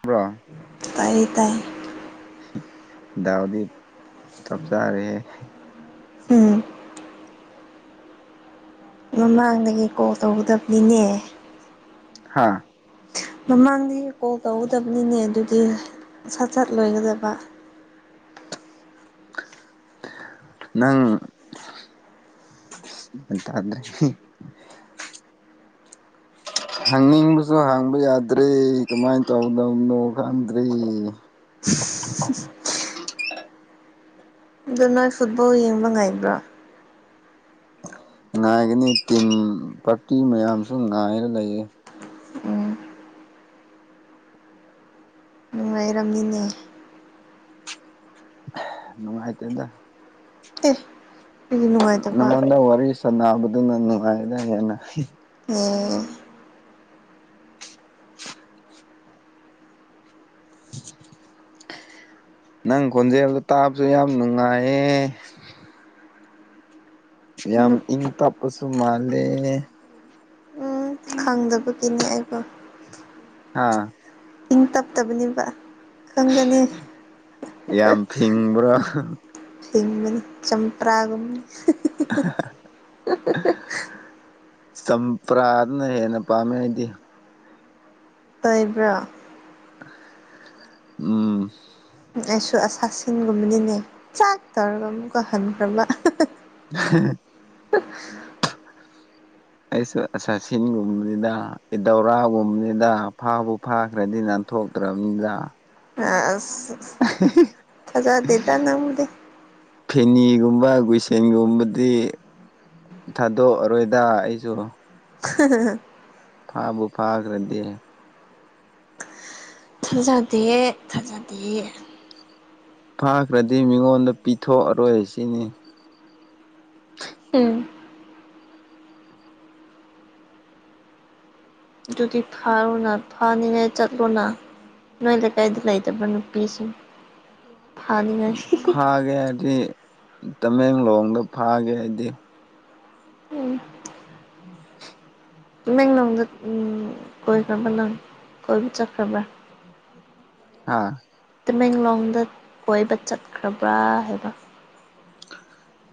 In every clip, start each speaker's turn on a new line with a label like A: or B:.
A: ꯄꯨ꯭ꯔꯥ
B: ꯇꯥꯏꯌꯦ ꯇꯥꯏꯌꯦ
A: ꯗꯥꯎꯗꯤ ꯆꯞ ꯆꯥꯔꯦ ꯍꯦ
B: ꯎꯝ ꯃꯃꯥꯡꯗꯒꯤ ꯀꯣꯜ ꯇꯧꯒꯗꯕꯅꯤꯅꯦ
A: ꯍꯥꯥ
B: ꯃꯃꯥꯡꯗꯒꯤ ꯀꯣꯜ ꯇꯧꯒꯗꯕꯅꯤꯅꯦ ꯑꯗꯨꯗꯤ ꯁꯠ ꯁꯠ ꯂꯣꯏꯒꯗꯕ
A: ꯅꯪ ꯒ꯭ꯌꯥꯟ ꯇꯥꯗ꯭ꯔꯦꯍꯦ ꯍꯪꯅꯤꯡꯕꯁꯨ ꯍꯥꯡꯕ ꯌꯥꯗ꯭ꯔꯔꯤ ꯀꯃꯥꯏꯅ ꯇꯧꯗꯧꯅꯣ ꯈꯪꯗ꯭ꯔꯦ
B: [inaudible]
A: [unintelligible]
B: ꯑꯗꯨ ꯅꯣꯏ ꯐꯨꯠꯕꯣꯜ ꯌꯦꯡꯕ ꯉꯥꯏꯕ꯭ꯔꯣ
A: ꯉꯥꯏꯒꯅꯤ ꯇꯤꯝ ꯄꯥꯔꯇꯤ ꯃꯌꯥꯝꯁꯨ ꯉꯥꯏꯔ ꯂꯩꯌꯦ
B: ꯎꯝ ꯅꯨꯡꯉꯥꯏꯔꯝꯃꯤꯅꯦ
A: ꯅꯨꯡꯉꯥꯏꯇꯗ
B: ꯠꯇꯦ
A: ꯅꯉꯣꯟꯗ ꯋꯥꯔꯤ ꯁꯥꯟꯅꯕꯗꯨꯅ ꯅꯨꯡꯉꯥꯏꯗ ꯍꯦꯟꯅ
B: ꯑꯣꯝ
A: ꯅꯪ ꯈꯣꯟꯖꯦꯜꯗ ꯇꯥꯕꯁꯨ ꯌꯥꯝ ꯅꯨꯡꯉꯥꯏꯌꯦ ꯌꯥꯝ ꯏꯪ ꯇꯞꯄꯁꯨ ꯃꯥꯜꯂꯦ
B: ꯈꯪꯗꯕꯒꯤꯅꯤ ꯑꯩꯕꯨꯣ
A: ꯍꯥꯥ
B: ꯏꯪ ꯇꯞꯇꯕꯅꯦꯕ ꯈꯪꯒꯅꯤ
A: ꯌꯥꯝ ꯐꯤꯡꯕ꯭ꯔꯣ
B: ꯁꯤꯡꯕꯅꯤ ꯆꯝꯄ꯭ꯔꯥꯒꯨꯝꯅꯤ
A: [inaudible] ꯆꯝꯄ꯭ꯔꯥꯅ ꯍꯦꯟꯅ ꯄꯥꯝꯃꯦ ꯑꯩꯗꯤ
B: ꯇꯥꯏꯕ꯭ꯔꯥ
A: ꯎꯝ
B: ꯑꯩꯁꯨ ꯑꯁꯥꯁꯟꯒꯨꯝꯕꯅꯤꯅꯦ ꯆꯥꯛ ꯇꯧꯔꯒ ꯑꯃꯨꯛꯀ ꯍꯟꯈ꯭ꯔꯕ
A: [inaudible]
B: [inaudible]
A: ꯑꯩꯁꯨ ꯑꯦꯁꯥꯁꯟꯒꯨꯝꯕꯅꯤꯗ ꯏꯗꯧꯔꯥꯒꯨꯝꯕꯅꯤꯗ ꯐꯥꯕꯨ ꯐꯥꯈ꯭ꯔꯗꯤ ꯅꯥ ꯊꯣꯛꯇ꯭ꯔꯕꯅꯤꯅ
B: ꯑ ꯑꯁ ꯊꯖꯥꯗꯗ ꯅꯗ
A: ꯐꯦꯅꯤꯒꯨꯝꯕ ꯒꯨꯏꯁꯦꯟꯒꯨꯝꯕꯗꯤ ꯊꯥꯗꯣꯛꯑꯔꯣꯏꯗ ꯑꯩꯁꯨ
B: [unintelligible]
A: ꯐꯥꯕꯨ ꯐꯥꯈ꯭ꯔꯗꯤ
B: ꯊꯥꯖꯗꯦ ꯊꯥꯖꯗꯦ
A: ꯐꯥꯈ꯭ꯔꯗꯤ ꯃꯤꯉꯣꯟꯗ ꯄꯤꯊꯣꯛꯑꯔꯣꯏ ꯁꯤꯅꯤ
B: ꯎꯝ ꯑꯗꯨꯒꯤ ꯐꯥꯔꯨꯅ ꯐꯥꯅꯤꯉꯥꯏ ꯆꯠꯂꯨꯅ ꯅꯣꯏ ꯂ ꯀ ꯏꯗ ꯂꯥꯏ ꯇꯕꯅ ꯄꯤꯁꯤ ꯐꯥꯅꯤ ꯉ
A: ꯐꯥꯒꯦ ꯍꯥꯏꯗꯤ ꯇꯃꯦꯡꯂꯣꯡꯗ ꯐꯥꯒꯦ ꯍꯥꯏꯗꯤ
B: ꯎꯝ ꯅ ꯅꯗ ꯎꯝ ꯀꯣꯏ ꯈꯕ ꯅꯪ ꯀꯣꯏ ꯆ꯭ꯔꯕ
A: ꯍꯥ
B: ꯇꯃꯦꯡꯂꯣꯡꯗ ꯀꯣꯏꯕ ꯆꯠꯈ꯭ꯔꯕ꯭ꯔꯥ ꯍꯥꯏꯕ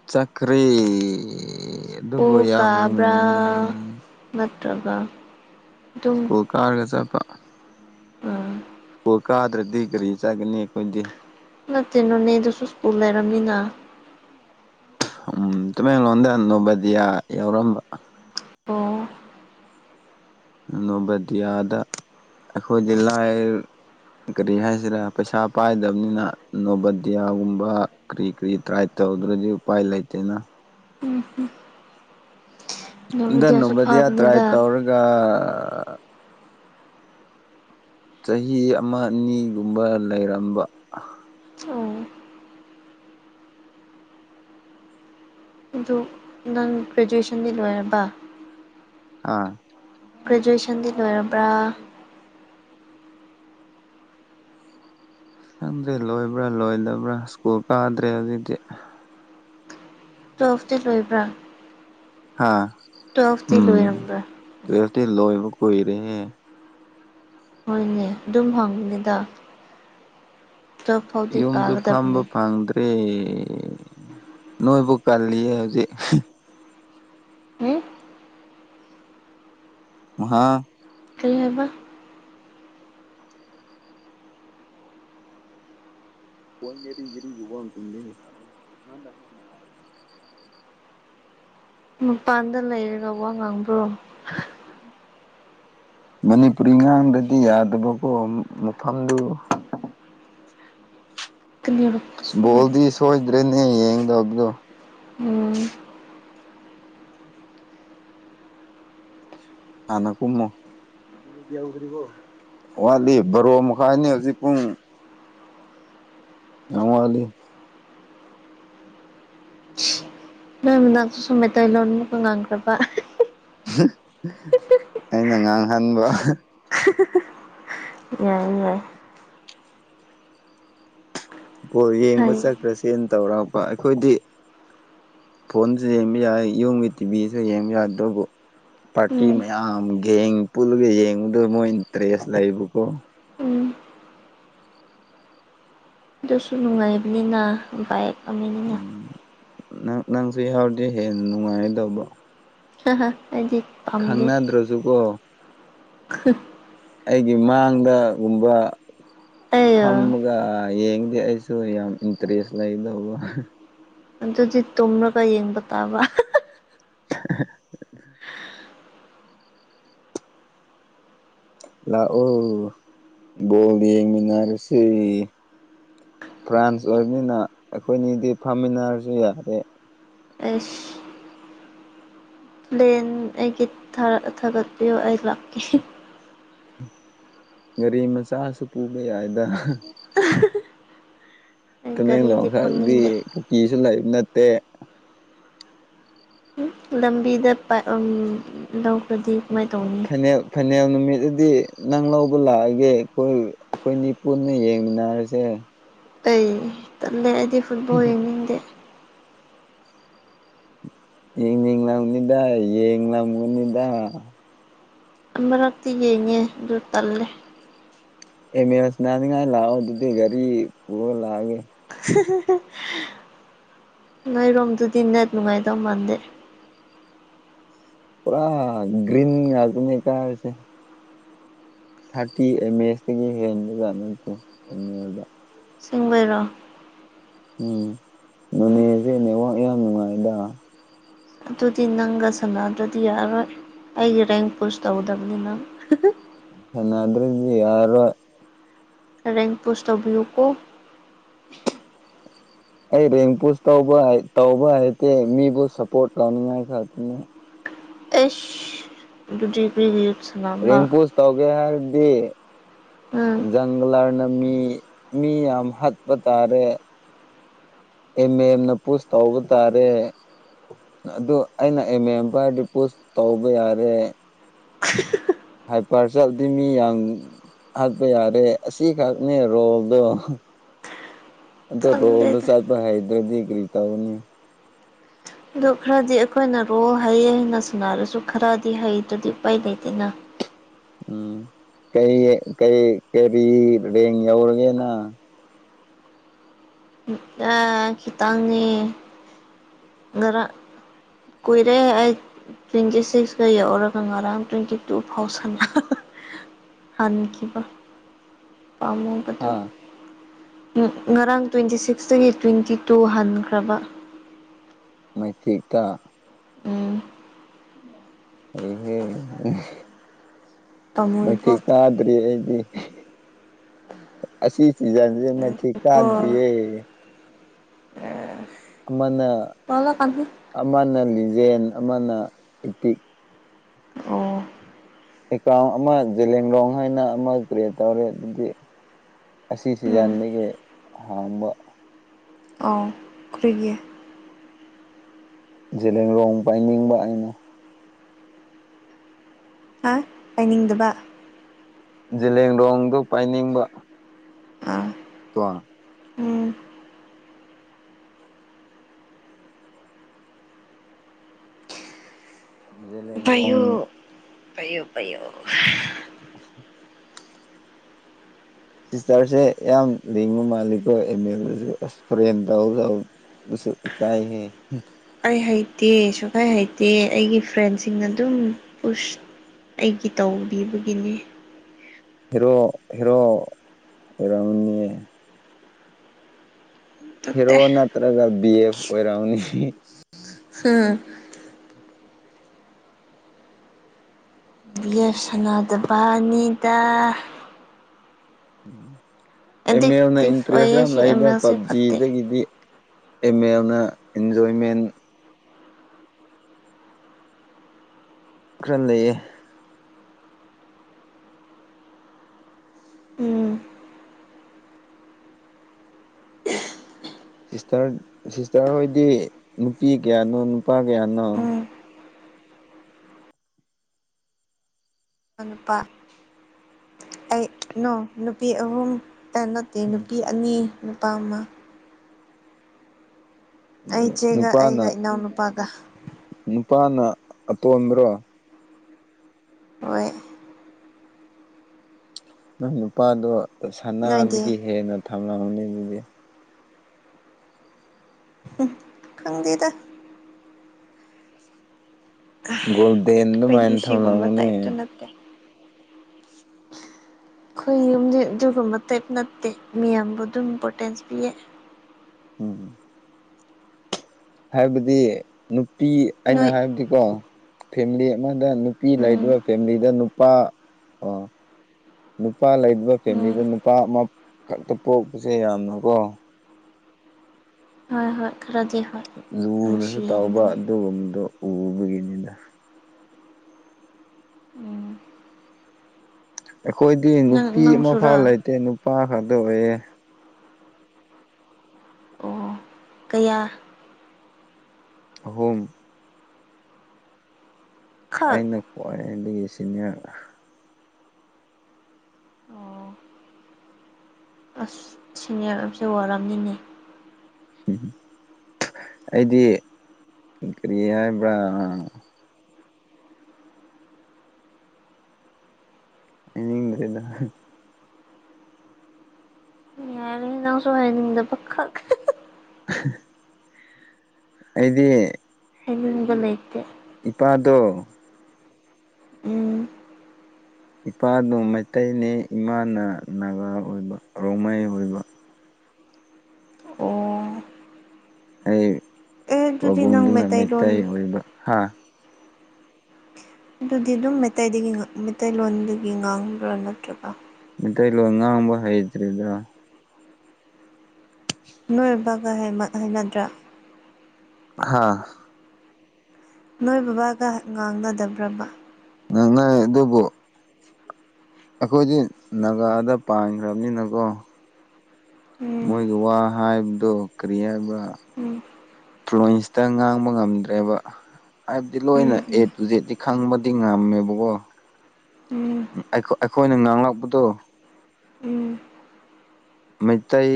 A: ꯆꯀꯔꯤ
B: ꯄꯨꯨ ꯀꯥꯕ꯭ꯔꯥ ꯅꯠꯇ꯭ꯔꯒ ꯑꯗꯨꯝ
A: ꯁ꯭ꯀꯨꯜ ꯀꯥꯔꯒ ꯆꯠꯄ
B: ꯑꯥ
A: ꯀꯣꯏ ꯀꯥꯗ꯭ꯔꯗꯤ ꯀꯔꯤ ꯆꯥꯒꯅꯤ ꯑꯩꯈꯣꯏꯗꯤ
B: ꯅ ꯇꯦꯅꯣꯅꯦ ꯑꯗꯨꯁꯨ ꯁꯀꯨꯜ ꯂꯩꯔꯝꯅꯤꯅ
A: ꯎꯝ ꯇꯨꯃꯦꯡꯂꯣꯗ ꯅꯣꯕꯗꯤꯌꯥ ꯌꯥꯎꯔꯝꯕ
B: ꯑꯣ
A: ꯅꯣꯚꯗꯤꯌꯥꯗ ꯑꯩꯈꯣꯏꯗꯤ ꯂꯥꯏ ꯀꯔꯤ ꯍꯥꯏꯁꯤꯔꯥ ꯄꯩꯁꯥ ꯄꯥꯏꯗꯕꯅꯤꯅ ꯅꯣꯕꯥꯗꯤꯌꯥꯒꯨꯝꯕ ꯀꯔꯤ ꯀꯔꯤ ꯇ꯭ꯔꯥꯏ ꯇꯧꯗ꯭ꯔꯗꯤ ꯎꯄꯥꯏ ꯂꯩꯇꯦꯅ
B: ꯎꯝ ꯎꯝ
A: ꯟꯅꯣꯕꯗꯤꯌꯥ ꯇ꯭ꯔꯥꯏ
B: ꯐꯥꯕꯅꯤꯗ
A: ꯇꯧꯔꯒ ꯆꯍꯤ ꯑꯃ ꯑꯅꯤꯒꯨꯝꯕ ꯂꯩꯔꯝꯕ
B: ꯑ ꯑꯗꯨ ꯅꯪ ꯒ꯭ꯔꯦꯖꯨꯋꯦꯁꯟꯗꯤ ꯂꯣꯏꯔꯕ
A: ꯑꯥ
B: ꯒ꯭ꯔꯦꯖꯨꯦꯁꯟꯗꯤ ꯂꯣꯏꯔꯕ꯭ꯔꯥ
A: ꯈꯪꯗ꯭ꯔꯦ ꯂꯣꯏꯕ꯭ꯔꯥ ꯂꯣꯏꯗꯕ꯭ꯔꯥ ꯁ꯭ꯀꯨꯜ ꯀꯥꯗ꯭ꯔꯦ ꯍꯧꯖꯤꯛꯇꯤ
B: ꯇꯨꯋꯦꯜꯐꯇꯤ ꯂꯣꯏꯕ꯭ꯔꯥ
A: ꯍꯥ
B: ꯇꯨꯋꯦꯜꯐꯇꯤ
A: ꯎꯝ
B: ꯂꯣꯏꯔꯕ꯭ꯔꯥ
A: ꯇꯨꯋꯦꯜꯐꯇꯤ ꯂꯣꯏꯕ ꯀꯨꯏꯔꯦꯍꯦ꯫
B: ꯍꯣꯏꯅꯦ ꯑꯗꯨꯝ ꯍꯪꯕꯅꯤꯗ ꯇꯨꯋꯦꯜꯐ ꯐꯥꯎꯗꯤ
A: ꯌꯨꯝꯁꯨ ꯐꯝꯕ
B: ꯀꯥꯒꯗꯕꯅꯤ
A: ꯐꯪꯗꯦ ꯑꯦ ꯅꯣꯏꯕꯨ ꯀꯜꯂꯤꯌꯥ ꯍꯧꯖꯤꯛ
B: ꯍꯦ
A: [unintelligible]
B: ꯀꯩ ꯍꯥꯏꯕ
A: [inaudible]
B: ꯃꯄꯥꯟꯗ ꯂꯩꯔꯒ ꯋꯥ ꯉꯥꯡꯕ꯭ꯔꯣ꯫
A: ꯃꯅꯤꯄꯨꯔꯤ ꯉꯉꯥꯡꯗꯗꯤ ꯌꯥꯗꯕꯀꯣ ꯃꯐꯝꯗꯨ
B: ꯀꯅꯤ
A: ꯕꯣꯜꯗꯤ ꯁꯣꯏꯗ꯭ꯔꯦꯅꯦ ꯌꯦꯡꯗꯕꯗꯣ
B: ꯎꯝ
A: ꯍꯥꯟꯅ ꯀꯨꯝꯃꯣ ꯋꯥꯠꯂꯤ ꯕꯣꯔꯣ ꯃꯈꯥꯏꯅꯤ ꯍꯧꯖꯤꯛ ꯄꯨꯡ ꯌꯥꯃ
B: ꯅꯣꯏ ꯃꯅꯥꯛꯛꯇ ꯁꯨꯝ ꯃꯩꯇꯩꯧ ꯂꯣꯟ ꯉꯥꯡꯈ꯭ꯔꯕ
A: ꯑꯩꯅ ꯉꯥꯡꯍꯟꯕ꯫
B: [unintelligible]
A: ꯑꯣ
B: ꯍꯥꯏ
A: ꯌꯦꯡꯕ ꯆꯠꯈ꯭ꯔꯁꯦꯅ ꯇꯧꯔꯛꯄ ꯑꯩꯈꯣꯏꯗꯤ ꯐꯣꯟꯁꯦ ꯌꯦꯡꯕ ꯌꯥꯏ ꯌꯨꯝꯒꯤ ꯇꯤꯚꯤꯁꯨ ꯌꯦꯡꯕ ꯌꯥꯏ ꯑꯗꯨꯕꯨ ꯄꯥꯔꯇꯤ
B: ꯎꯝ
A: ꯃꯌꯥꯝ ꯒꯦꯡ ꯄꯨꯜꯂꯒ ꯌꯦꯡꯕꯗꯨ ꯃꯣꯏ ꯏꯟꯇꯔꯦꯁ ꯂꯩꯕꯀꯣ
B: ꯎꯝ ꯑꯗꯨꯁꯨ ꯅꯨꯡꯉꯥꯏꯕꯅꯤꯅ ꯕꯥꯏꯛ ꯑꯃꯅꯤꯅ
A: ꯎꯝ ꯅꯪ ꯅꯪ ꯁꯨ ꯌꯥꯎꯔꯗꯤ ꯍꯦꯟꯅ ꯅꯨꯡꯉꯥꯏꯗꯧꯕ
B: ꯍꯥ ꯍꯥ ꯑꯩꯗꯤ ꯄꯥꯝꯗꯦ
A: ꯈꯪꯅꯗ꯭ꯔꯁꯨꯒꯣ ꯑꯩꯒꯤ ꯃꯥꯡꯗꯒꯨꯝꯕ
B: ꯑꯩ
A: ꯐꯝꯃꯒ ꯌꯦꯡꯗꯦ ꯑꯩꯁꯨ ꯌꯥꯝ ꯏꯟꯇꯔꯦꯁ ꯂꯩꯗꯧꯕ
B: ꯑꯗꯨꯗꯤ ꯇꯨꯝꯔꯒ ꯌꯦꯡꯕ ꯇꯥꯕ
A: [unintelligible] ꯂꯥꯛꯑꯣ ꯕꯣꯜ ꯌꯦꯡꯃꯤꯟꯅꯔꯁꯤ ꯐ꯭ꯔꯥꯟꯁ ꯑꯣꯏꯕꯅꯤꯅ ꯑꯩꯈꯣꯏꯅꯤꯗꯤ ꯐꯥꯃꯤꯟꯅꯔꯁꯨ ꯌꯥꯔꯦ꯫
B: ꯑꯩꯁ ꯄ꯭ꯂꯦꯟ ꯑꯩꯒꯤ ꯊꯥ ꯊꯥꯒꯠꯄꯤꯌꯣ ꯑꯩ ꯂꯥꯛꯀꯦ
A: ꯒꯥꯔꯤ ꯃꯆꯥꯁꯨ ꯄꯨꯕ ꯌꯥꯏꯗ
B: ꯑꯩ ꯒꯥꯔꯤꯗꯤ
A: ꯇꯃꯦꯡꯂꯣꯡꯗꯗꯤ
B: ꯐꯝꯅꯤꯡꯗꯦ
A: ꯀꯨꯀꯤꯁꯨ ꯂꯩꯕ ꯅꯠꯇꯦ
B: ꯂꯝꯕꯤꯗ [unintelligible] ꯂꯧꯈꯔꯗꯤ ꯀꯃꯥꯏꯅ ꯇꯧꯅꯤ
A: ꯐꯥꯏꯅꯦꯜ ꯐꯥꯏꯅꯦꯜ ꯅꯨꯃꯤꯠꯗꯗꯤ ꯅꯪ ꯂꯧꯕ ꯂꯥꯛꯑꯒꯦ ꯑꯈꯣꯏ ꯑꯩꯈꯣꯏꯅꯤ ꯄꯨꯟꯅ ꯌꯦꯡꯃꯤꯟꯅꯔꯁꯦ
B: ꯑꯩ ꯇꯜꯂꯦ ꯑꯩꯗꯤ ꯐꯨꯠꯕꯣꯜ ꯌꯦꯅꯤꯡꯗꯦ
A: ꯌꯦꯡꯅꯤꯡ ꯂꯝꯅꯤꯗ ꯌꯦꯡ ꯂꯝꯒꯅꯤꯗ
B: ꯑꯃꯔꯛꯇꯤ ꯌꯦꯡꯉꯦ ꯑꯗꯨ ꯇꯜꯂꯦ
A: ꯑꯦ ꯃꯦꯜ ꯁꯅꯥꯅꯤꯡꯉꯥꯏ ꯂꯥꯛꯑꯣ ꯑꯗꯨꯗꯤ ꯒꯥꯔꯤ ꯄꯨꯔꯒ ꯂꯥꯛꯑꯒꯦ꯫
B: ꯅꯣꯏ ꯔꯣꯝꯗꯨꯗꯤ ꯅꯦꯠ ꯅꯨꯡꯉꯥꯏ ꯗꯧ ꯃꯥꯟꯗꯦ
A: ꯄꯨꯔꯥ ꯒꯔꯤꯟ ꯉꯥꯛꯇꯅꯤ ꯆꯥꯔꯤꯁꯦ ꯊꯥꯔꯇꯤ ꯑꯦꯝ ꯑꯦꯁꯇꯒꯤ ꯍꯦꯟꯕꯖꯥꯠ ꯅꯠꯇꯦ ꯑꯦꯅꯨꯌꯦꯜꯗ
B: ꯑꯁꯦꯡꯕꯩꯔꯣ
A: ꯎꯝ ꯅꯣꯅꯦꯖꯦ ꯅꯦꯋꯥꯛ ꯌꯥꯝ ꯅꯨꯡꯉꯥꯏꯗ
B: ꯑꯗꯨꯗꯤ ꯅꯪꯒ ꯁꯅꯗꯔꯗꯤ ꯌꯥꯔꯣꯏ ꯑꯩꯒꯤ ꯔꯦꯡ ꯄꯨꯁ ꯇꯧꯗꯕꯅꯤ ꯅꯪ
A: ꯁꯥꯅꯗ꯭ꯔꯗꯤ ꯌꯥꯔꯔꯣꯏ꯫
B: ꯔꯦꯡ ꯄꯨꯁ ꯇꯧꯕꯤꯌꯨꯀꯣ꯫
A: ꯑꯩ ꯔꯦꯡꯄꯨꯁ ꯇꯧꯕ ꯇꯧꯕ ꯍꯥꯏꯇꯦ ꯃꯤꯕꯨ ꯁꯞꯄꯣꯔꯠ ꯇꯧꯅꯤꯡꯉꯥꯏ ꯈꯛꯇꯅꯦ
B: ꯑꯦꯁ ꯗꯨꯗꯤ ꯀ꯭ꯔꯤꯒꯤ꯫
A: ꯔꯦꯡ ꯄꯨꯁ ꯇꯧꯒꯦ ꯍꯥꯏꯔꯗꯤ
B: ꯎꯝ
A: ꯖꯪꯒ꯭ꯂꯔꯅ ꯃꯤ ꯃꯤ ꯌꯥꯝ ꯍꯥꯠꯄ ꯇꯥꯔꯦ ꯑꯦꯝ ꯑꯦꯝꯅ ꯄꯨꯁ ꯇꯧꯕ ꯇꯥꯔꯦ ꯑꯗꯨ ꯑꯩꯅ ꯑꯦꯝ ꯑꯦꯝ ꯄꯥꯏꯔꯗꯤ ꯄꯨꯁ ꯇꯧꯕ ꯌꯥꯔꯦ ꯍꯥꯏ ꯄꯔ ꯆꯠꯂꯗꯤ ꯃꯤ ꯌꯥꯡ ꯍꯥꯠꯄ ꯌꯥꯔꯦ ꯑꯁꯤꯈꯛꯅꯦ ꯔꯣꯜꯗꯣ ꯑꯗꯣ ꯔꯣꯜꯗꯣ
B: ꯈꯪꯗꯦꯗ
A: ꯆꯠꯄ ꯍꯥꯏꯗ꯭ꯔꯗꯤ ꯀꯔꯤ ꯇꯧꯅꯤ
B: ꯑꯗꯨ ꯈꯔꯗꯤ ꯑꯩꯈꯣꯏꯅ ꯔꯣꯜ ꯍꯩꯌꯦ ꯍꯥꯏꯅ ꯁꯥꯟꯅꯔꯁꯨ ꯈꯔꯗꯤ ꯍꯩꯇꯔꯗꯤ ꯎꯄꯥꯏ ꯂꯩꯇꯦꯅ꯫
A: ꯎꯝ ꯀꯩ ꯀꯩ ꯀꯔꯤ ꯔꯦꯡ ꯌꯧꯔꯒꯦ ꯅꯥ
B: ꯑꯥ ꯈꯤꯇꯪꯅꯤ ꯉꯥꯔꯥꯡ ꯀꯨꯏꯔꯦ ꯑꯩ꯫ ꯇ꯭ꯋꯦꯟꯇꯤ ꯁꯤꯛꯁꯀ ꯌꯧꯔꯒ ꯉꯔꯥꯡ ꯇ꯭ꯋꯦꯟꯇꯤ ꯇꯨ ꯐꯥꯎ ꯁꯟꯅ ꯍꯈꯤꯕ ꯄꯥꯝꯃꯨꯕꯗꯨ꯫
A: ꯍꯥ
B: ꯉꯔꯥꯡ ꯇ꯭ꯋꯦꯟꯇꯤ ꯁꯤꯛꯁꯇꯒꯤ ꯇ꯭ꯋꯦꯟꯇꯤ ꯇꯨ ꯍꯟꯈ꯭ꯔꯕ꯫
A: ꯃꯥꯏꯊꯤꯛꯇ
B: ꯎꯝ
A: ꯍꯩꯍꯦ
B: ꯄꯥꯝꯃꯨꯏꯀꯣ
A: ꯃꯤꯊꯤꯛ ꯀꯥ ꯀꯥꯗ꯭ꯔꯤ ꯑꯩꯗꯤ ꯑꯁꯤ ꯁꯤꯖꯟꯁꯦ ꯃꯊꯤꯛ
B: ꯉꯥꯏꯈꯣꯀꯣ
A: ꯀꯥꯗ꯭ꯔꯤꯌꯦ ꯑꯃꯅ
B: [unintelligible]
A: ꯑꯃꯅ ꯂꯤꯖꯦꯟ ꯑꯃꯅ ꯏꯄꯤꯛ
B: ꯑꯣ
A: ꯑꯦꯀꯥꯎꯟ ꯑꯃ ꯖꯦꯂꯦꯡꯔꯣꯡ ꯍꯥꯏꯅ ꯑꯃ ꯀ꯭ꯔꯤꯌꯦꯠ ꯇꯧꯔꯦ ꯑꯗꯨꯗꯤ ꯑꯁꯤ
B: ꯎꯝ
A: ꯁꯤꯖꯟꯗꯒꯤ ꯍꯥꯡꯕ
B: ꯑꯥꯎ ꯈ꯭ꯔꯤꯒꯤ
A: ꯖꯦꯂꯦꯡꯔꯣꯡ ꯄꯥꯏꯅꯤꯡꯕ ꯑꯩꯅ
B: ꯍꯥ ꯄꯥꯏꯅꯤꯡꯗꯕ
A: ꯖꯦꯂꯦꯡꯗꯣꯡꯗꯨ ꯄꯥꯏꯅꯤꯡꯕ
B: ꯑꯥ
A: [unintelligible]
B: ꯎꯝ
A: ꯖꯦꯂꯦꯡꯔꯣꯡ
B: ꯄꯥꯏꯌꯨ ꯄꯩꯌꯣ ꯄꯩꯌꯣ
A: [inaudible] ꯁꯤꯁꯇꯔꯁꯦ ꯌꯥꯝ ꯂꯤꯡꯕ ꯃꯥꯜꯂꯤꯀꯣ ꯑꯦꯝ ꯑꯦꯗꯁꯨ ꯑꯁ ꯐꯣꯔꯦꯟ ꯇꯧ ꯇꯧ ꯕꯨꯁꯨ ꯏꯀꯥꯏ ꯍꯦ
B: ꯑꯩ ꯍꯩꯇꯦ ꯁꯨꯛꯍꯩ ꯍꯩꯇꯦ ꯑꯩꯒꯤ ꯐ꯭ꯔꯦꯟꯁꯤꯡꯅ ꯑꯗꯨꯝ ꯄꯨꯁ ꯑꯩꯒꯤ ꯇꯧꯕꯤꯕꯒꯤꯅꯤ
A: ꯍꯔꯣ ꯍꯔꯣ ꯑꯣꯏꯔꯟꯅꯤ
B: ꯇꯠꯇꯦ
A: ꯍꯤꯔꯣ ꯅꯠꯇ꯭ꯔꯒ ꯕꯤ ꯑꯦꯐ ꯑꯣꯏꯔꯝꯅꯤ
B: [unintelligible] ꯕꯤꯌꯦꯐ ꯁꯅꯥꯗꯕꯅꯤꯗ
A: ꯎꯝ ꯑꯦꯝ ꯑꯦꯜꯅ
B: ꯑꯦꯗꯤꯛꯇꯤꯞ
A: ꯏꯟꯇꯔꯦꯁ
B: ꯑꯣꯏꯌꯦ
A: ꯌꯥꯝ
B: ꯁꯤ ꯑꯦꯝ
A: ꯂꯩꯗ
B: ꯑꯦꯜꯁꯦ ꯐꯠꯇꯦ
A: ꯄꯞꯖꯤꯗꯒꯤꯗꯤ ꯑꯦꯝ ꯑꯦꯜꯅ ꯏꯟꯖꯣꯏꯃꯦꯟ ꯈꯔ ꯂꯩꯌꯦ
B: ꯎꯝ
A: ꯁꯤꯁꯇꯔ ꯁꯤꯁꯇꯔ ꯍꯣꯏꯗꯤ ꯅꯨꯄꯤ ꯀꯌꯥꯅꯣ ꯅꯨꯄꯥ ꯀꯌꯥꯅꯣ
B: ꯎꯝ ꯅꯨꯄꯥ ꯑꯩꯩ ꯅꯣ ꯅꯨꯄꯤ ꯑꯍꯨꯝꯇ ꯅꯠꯇꯦ ꯅꯨꯄꯤ ꯑꯅꯤ ꯅꯨꯄꯥ ꯑꯃ ꯑꯩ ꯏꯆꯦꯒ
A: ꯅꯨꯄꯥꯅ
B: ꯑꯩꯒ ꯏꯅꯥꯎꯅꯨꯄꯥꯒ
A: ꯅꯨꯄꯥꯅ ꯑꯇꯣꯟꯕ꯭ꯔꯣ
B: ꯍꯣꯏ
A: ꯅꯪ ꯅꯨꯄꯥꯗꯣ
B: ꯅꯣꯏꯗꯤ
A: ꯁꯅꯥꯗꯒꯤ ꯍꯦꯟꯅ ꯊꯝꯂꯝꯅꯤ ꯑꯗꯨꯗꯤ
B: ꯈꯪꯗꯦꯗ
A: ꯒꯣꯜꯗꯦꯟ ꯑꯗꯨ
B: ꯑꯩꯈꯣꯏꯗꯤ
A: ꯃꯥꯏꯅ
B: ꯁꯤꯒꯨꯝꯕ
A: ꯊꯝꯂꯝꯒꯅꯤ
B: ꯇꯥꯏꯞꯇꯨ ꯅꯠꯇꯦ ꯑꯩꯈꯣꯏ ꯌꯨꯝꯗꯤ ꯑꯗꯨꯒꯨꯝꯕ ꯇꯥꯏꯞ ꯅꯠꯇꯦ ꯃꯤꯌꯥꯝꯕ ꯑꯗꯨꯝ ꯏꯝꯄꯣꯔꯇꯦꯟꯁ ꯄꯤꯌꯦ
A: ꯎꯝ ꯍꯥꯏꯕꯗꯤ ꯅꯨꯄꯤ ꯑꯩꯅ
B: ꯅꯣꯏ
A: ꯍꯥꯏꯕꯗꯤ ꯀꯣ ꯐꯦꯃꯤꯂꯤ ꯑꯃꯗ ꯅꯨꯄꯤ ꯂꯩꯕ
B: ꯎꯝ
A: ꯐꯦꯃꯤꯂꯤꯗ ꯅꯨꯄꯥ ꯑꯣ ꯅꯨꯄꯥ ꯂꯩꯕ
B: ꯎꯝ
A: ꯐꯦꯃꯤꯂꯤꯗ ꯅꯨꯄꯥ ꯑꯃꯈꯛꯇ ꯄꯣꯛꯄꯁꯦ ꯌꯥꯝꯅꯀꯣ
B: ꯍꯣꯏ ꯍꯣꯏ ꯈꯔꯗꯤ ꯍꯣꯏ
A: ꯂꯨꯅꯁꯨ
B: ꯅꯨꯡꯁꯤ
A: ꯇꯥꯎꯕ
B: ꯍꯦꯟꯕꯅꯤ
A: ꯑꯗꯨꯒꯨꯝꯕꯗꯣ ꯎꯕꯒꯤꯅꯤꯗ
B: ꯎꯝ
A: ꯑꯩꯈꯣꯏꯗꯤ
B: ꯅꯪ
A: ꯅꯨꯄꯤ
B: ꯅꯪꯁꯨꯔꯣ
A: ꯑꯃꯐꯥꯎ ꯂꯩꯇꯦ ꯅꯨꯄꯥ ꯈꯛꯇ ꯑꯣꯏꯌꯦ
B: ꯑꯣ ꯀꯌꯥ
A: ꯑꯍꯨꯝ
B: ꯈꯛ
A: ꯑꯩꯅ ꯈ꯭ꯋꯥꯏꯗꯒꯤ ꯁꯤꯅꯤꯌꯔ
B: ꯑꯣ ꯑꯁ ꯁꯤꯅꯤꯌꯔ ꯑꯣꯏꯕꯁꯦ ꯋꯥꯔꯝꯅꯤꯅꯦ
A: ꯎꯝ ꯑꯩꯗꯤ ꯀꯔꯤ ꯍꯥꯏꯕ꯭ꯔꯥ ꯍꯥꯏꯅꯤꯡꯗ꯭ꯔꯦꯗ
B: ꯌꯥꯔꯦ ꯅꯪꯁꯨ ꯍꯥꯏꯅꯤꯡꯗꯕ ꯈꯛ
A: [unintelligible] ꯑꯩꯗꯤ
B: ꯍꯥꯏꯅꯤꯡꯕ ꯂꯩꯇꯦ
A: ꯏꯄꯥꯗꯣ
B: ꯎꯝ
A: ꯏꯄꯥꯗꫭ ꯃꯩꯇꯩꯅꯦ ꯏꯃꯥꯅ ꯅꯥꯒꯥ ꯑꯣꯏꯕ ꯔꯣꯡꯃꯩ ꯑꯣꯏꯕ
B: ꯑꯣ
A: ꯑꯩ
B: ꯑꯦ ꯑꯗꯨꯗꯤ ꯅꯪ
A: ꯄꯥꯕꯨꯡꯗꯨꯅ
B: ꯃꯩꯇꯩꯂꯣꯟ
A: ꯃꯩꯇꯩ ꯑꯣꯏꯕ ꯍꯥ
B: ꯑꯗꯨꯗꯤ ꯑꯗꯨꯝ ꯃꯩꯇꯩꯗꯒꯤ ꯃꯩꯇꯩꯂꯣꯟꯗꯒꯤ ꯉꯥꯡꯕ꯭ꯔꯥ ꯅꯠꯇ꯭ꯔꯒ
A: ꯃꯇꯩ ꯂꯣꯟ ꯉꯥꯡꯕ ꯍꯩꯇ꯭ꯔꯤꯗ
B: ꯅꯣꯏꯕꯒ ꯍꯩꯃꯟ ꯍꯩꯅꯗ꯭ꯔꯥ
A: ꯍꯥꯥ
B: ꯅꯣꯏ ꯕꯕꯥꯒ ꯉꯥꯡꯅꯗꯕ꯭ꯔꯕ
A: ꯉꯥꯡꯅꯩ ꯑꯗꯨꯕꯨ ꯑꯩꯈꯣꯏꯗꯤ ꯅꯥꯒꯥꯗ ꯄꯥꯟꯈ꯭ꯔꯕꯅꯤꯅꯀꯣ
B: ꯎꯝ
A: ꯃꯣꯏꯒꯤ ꯋꯥ ꯍꯥꯏꯕꯗꯨ ꯀꯔꯤ ꯍꯥꯏꯕ꯭ꯔꯥ
B: ꯎꯝ
A: ꯇꯔꯨꯏꯟꯁꯇ ꯉꯥꯡꯕ ꯉꯝꯗ꯭ꯔꯦꯕ ꯍꯥꯏꯕꯗꯤ
B: ꯎꯝ
A: ꯂꯣꯏꯅ ꯑꯦ
B: ꯎꯝ
A: ꯇꯨ ꯖꯦ ꯇꯤ ꯈꯪꯕꯗꯤ ꯉꯝꯃꯦꯕꯀꯣ
B: ꯎꯝ
A: ꯑꯩꯈꯣꯏ ꯑꯩꯈꫭꯏꯅ ꯉꯥꯡꯂꯛꯄꯗꯣ
B: ꯎꯝ
A: ꯃꯩꯇꯩ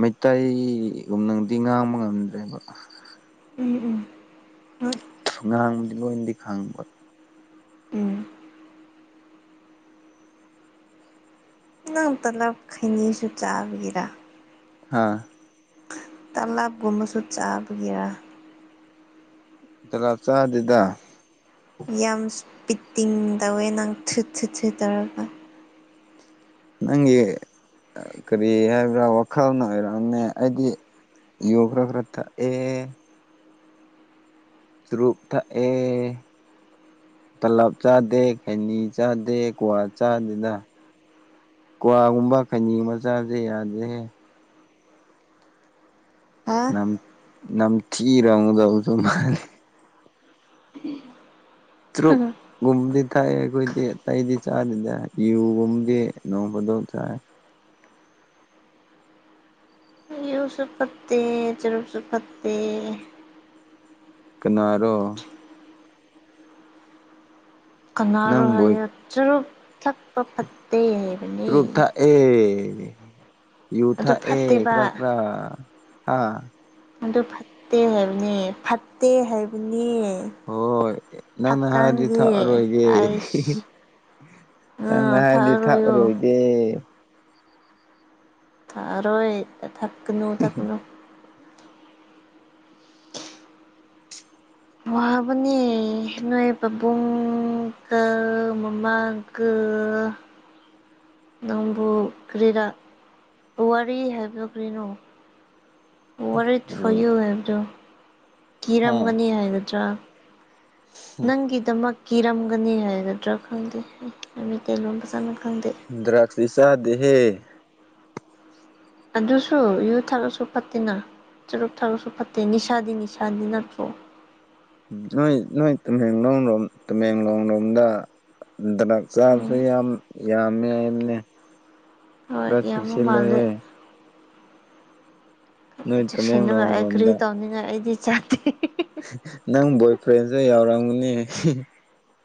A: ꯃꯩꯇꯩꯒꯨꯝꯅꯗꯤ ꯉꯥꯡꯕ ꯉꯝꯗ꯭ꯔꯦꯕ
B: ꯎꯝ ꯎꯝ ꯍꯣꯏ
A: ꯁꯨꯝ ꯉꯥꯡꯕꯗꯤ ꯂꯣꯏꯅꯗꯤ ꯈꯪꯕ
B: ꯎꯝ ꯅꯪ ꯇꯂꯞ ꯈꯩꯅꯤꯁꯨ ꯆꯥꯕꯒꯤꯔ
A: ꯑꯥ
B: ꯇꯂꯥꯞ ꯀꯨꯝꯕꯁꯨ ꯆꯥꯕꯒꯤꯔ
A: ꯇꯂꯞ ꯆꯥꯗꯦꯗ
B: ꯌꯥꯝ ꯏꯁꯄꯤꯇꯤꯡ ꯇꯧꯋꯦ ꯅꯪ ꯊꯨꯠ ꯊꯨꯠ ꯁꯨꯠ ꯇꯧꯔꯒ
A: ꯅꯪꯒꯤ ꯀꯔꯤ ꯍꯥꯏꯕ꯭ꯔꯥ ꯋꯥꯈꯜꯅ ꯑꯣꯏꯔꯝꯅꯤ ꯑꯩꯗꯤ ꯌꯨ ꯈꯔ ꯈꯔ ꯀꯛ ꯑꯦ ꯆꯨꯔꯨꯞ ꯊꯛ ꯑꯦ ꯇꯂꯞ ꯆꯥꯗꯦ ꯈꯩꯅꯤ ꯆꯥꯗꯦ ꯀ꯭ꯋꯥ ꯆꯥꯗꯦꯗ ꯀ꯭ꯋꯥꯒꯨꯝꯕ ꯈꯩꯅꯤꯒꯨꯝ ꯆꯕꯗꯤ ꯌꯥꯗꯦꯍꯦ
B: ꯍꯥ
A: ꯅꯝ ꯅ ꯊꯤꯔꯉꯗꯧꯕꯁꯨ ꯃꯥꯜꯂꯤ
B: [unintelligible]
A: ꯆ꯭ꯔꯨꯛ ꯒꯨꯝꯗꯤ ꯊꯛꯑꯦ ꯑꯩꯈꯣꯏꯗꯤ ꯑꯇꯩꯗꯤ ꯆꯥꯗꯅꯦ ꯌꯨꯒꯨꯝꯕꯗꯤ ꯅꯣꯡꯃꯗꯤ ꯊꯛꯑꯦ
B: ꯌꯨꯁꯨ ꯄꯠꯇꯦ ꯆꯨꯔꯨꯞꯁꯨ ꯐꯠꯇꯦ
A: ꯀꯅꯥꯔꯣ
B: ꯀꯅꯥꯔꯣ
A: ꯅꯪꯕꯨ
B: ꯍꯥꯏꯔ ꯆꯨꯔꯨꯞ ꯊꯛꯄ ꯐꯠꯇꯦ ꯍꯥꯏꯕꯅꯤ
A: ꯑꯦ ꯌꯨ
B: ꯑꯗꯨ
A: ꯊꯛꯑꯦ
B: ꯐꯠꯇꯦꯕ
A: ꯈꯔ ꯈꯔ ꯑꯥ
B: ꯑꯗꯨ ꯐꯠꯇꯦ ꯍꯥꯏꯕꯅꯦ ꯐꯠꯇꯦ ꯍꯥꯏꯕꯅꯦ
A: ꯍꯣꯏ ꯅꯪꯅ ꯍꯥꯏꯔꯗꯤ
B: ꯍꯛꯆꯥꯡꯒꯤ
A: ꯊꯛꯑꯔꯣꯏꯒꯦ
B: ꯑꯩꯁ
A: ꯅꯪꯅ
B: ꯑ
A: ꯍꯥꯏꯔꯗꯤ
B: ꯊꯥꯔꯌꯣ ꯌꯨ
A: ꯊꯛꯑꯔꯣꯏꯒꯦ
B: ꯊꯥꯔꯣꯏ ꯊꯛꯀꯅꯨ ꯊꯛꯀꯅꯨ ꯋꯥꯕꯅꯤ ꯅꯣꯏ ꯄꯥꯕꯨꯡꯒ ꯃꯝꯃꯥꯒ
A: [inaudible]
B: ꯅꯪꯕꯨ ꯀꯔꯤꯔ ꯋꯥꯔꯤ ꯍꯥꯏꯕꯗꯣ ꯀꯔꯤꯅꯣ ꯋꯥꯔꯦꯠ ꯐꫭꫪꯌꯨ ꯍꯥꯏꯕꯗꯣ
A: ꯍꯥ
B: ꯀꯤꯔꯝꯒꯅꯤ ꯍꯥꯏꯒꯗ꯭ꯔꯥ ꯅꯪꯒꯤꯗꯃꯛ ꯀꯤꯔꯝꯒꯅꯤ ꯍꯥꯏꯒꯗ꯭ꯔꯥ ꯈꯪꯗꯦ ꯑꯩ ꯃꯩꯇꯩꯂꯣꯟꯣꯝ ꯐꯖꯅ ꯈꯪꯗꯦ
A: ꯗ꯭ꯔꯒꯁꯇꯤ ꯆꯗꯦꯍꯦ
B: ꯑꯗꯨꯁꯨ ꯌꯨ ꯊꯥꯔꯁꯨ ꯐꯠꯇꯦꯅ ꯆꯨꯔꯨꯛ ꯊꯥꯔꯁꯨ ꯐꯠꯇꯦ ꯅꯤꯁꯥꯗꯤ ꯅꯤꯁꯥꯗꯤ ꯅꯠꯇ꯭ꯔꯣ
A: ꯅꯣꯏ ꯅꯣꯏ ꯇꯨꯃꯦꯡꯂꯣꯡ ꯂꯣꯝ ꯇꯨꯃꯦꯡꯂꯣꯡ ꯂꯣꯝꯗ ꯇꯂꯞ ꯆꯥꯕꯁꯨ
B: ꯎꯝ
A: ꯌꯥꯝ ꯌꯥꯝꯃꯦ ꯍꯥꯏꯕꯅꯦ
B: ꯍꯣꯏ
A: ꯈ꯭ꯔ
B: ꯌꯥꯝꯕ ꯃꯥꯜꯂꯦ
A: ꯊꯛꯁꯤꯂꯛꯑꯦ ꯅꯣꯏ
B: ꯆꯦꯛꯁꯤꯟꯅꯤꯡꯉꯥꯏ
A: ꯇꯃꯦꯡꯂꯣꯡ
B: ꯑꯩ
A: ꯔꯣꯝꯗ
B: ꯀꯔꯤ ꯇꯧꯅꯤꯡꯉꯥꯏ ꯑꯩꯗꯤ ꯆꯥꯗꯦ
A: ꯅꯪ ꯕꫭꯏ ꯐ꯭ꯔꯦꯟꯁꯨ ꯌꯥꯎꯔꯝꯒꯅꯤ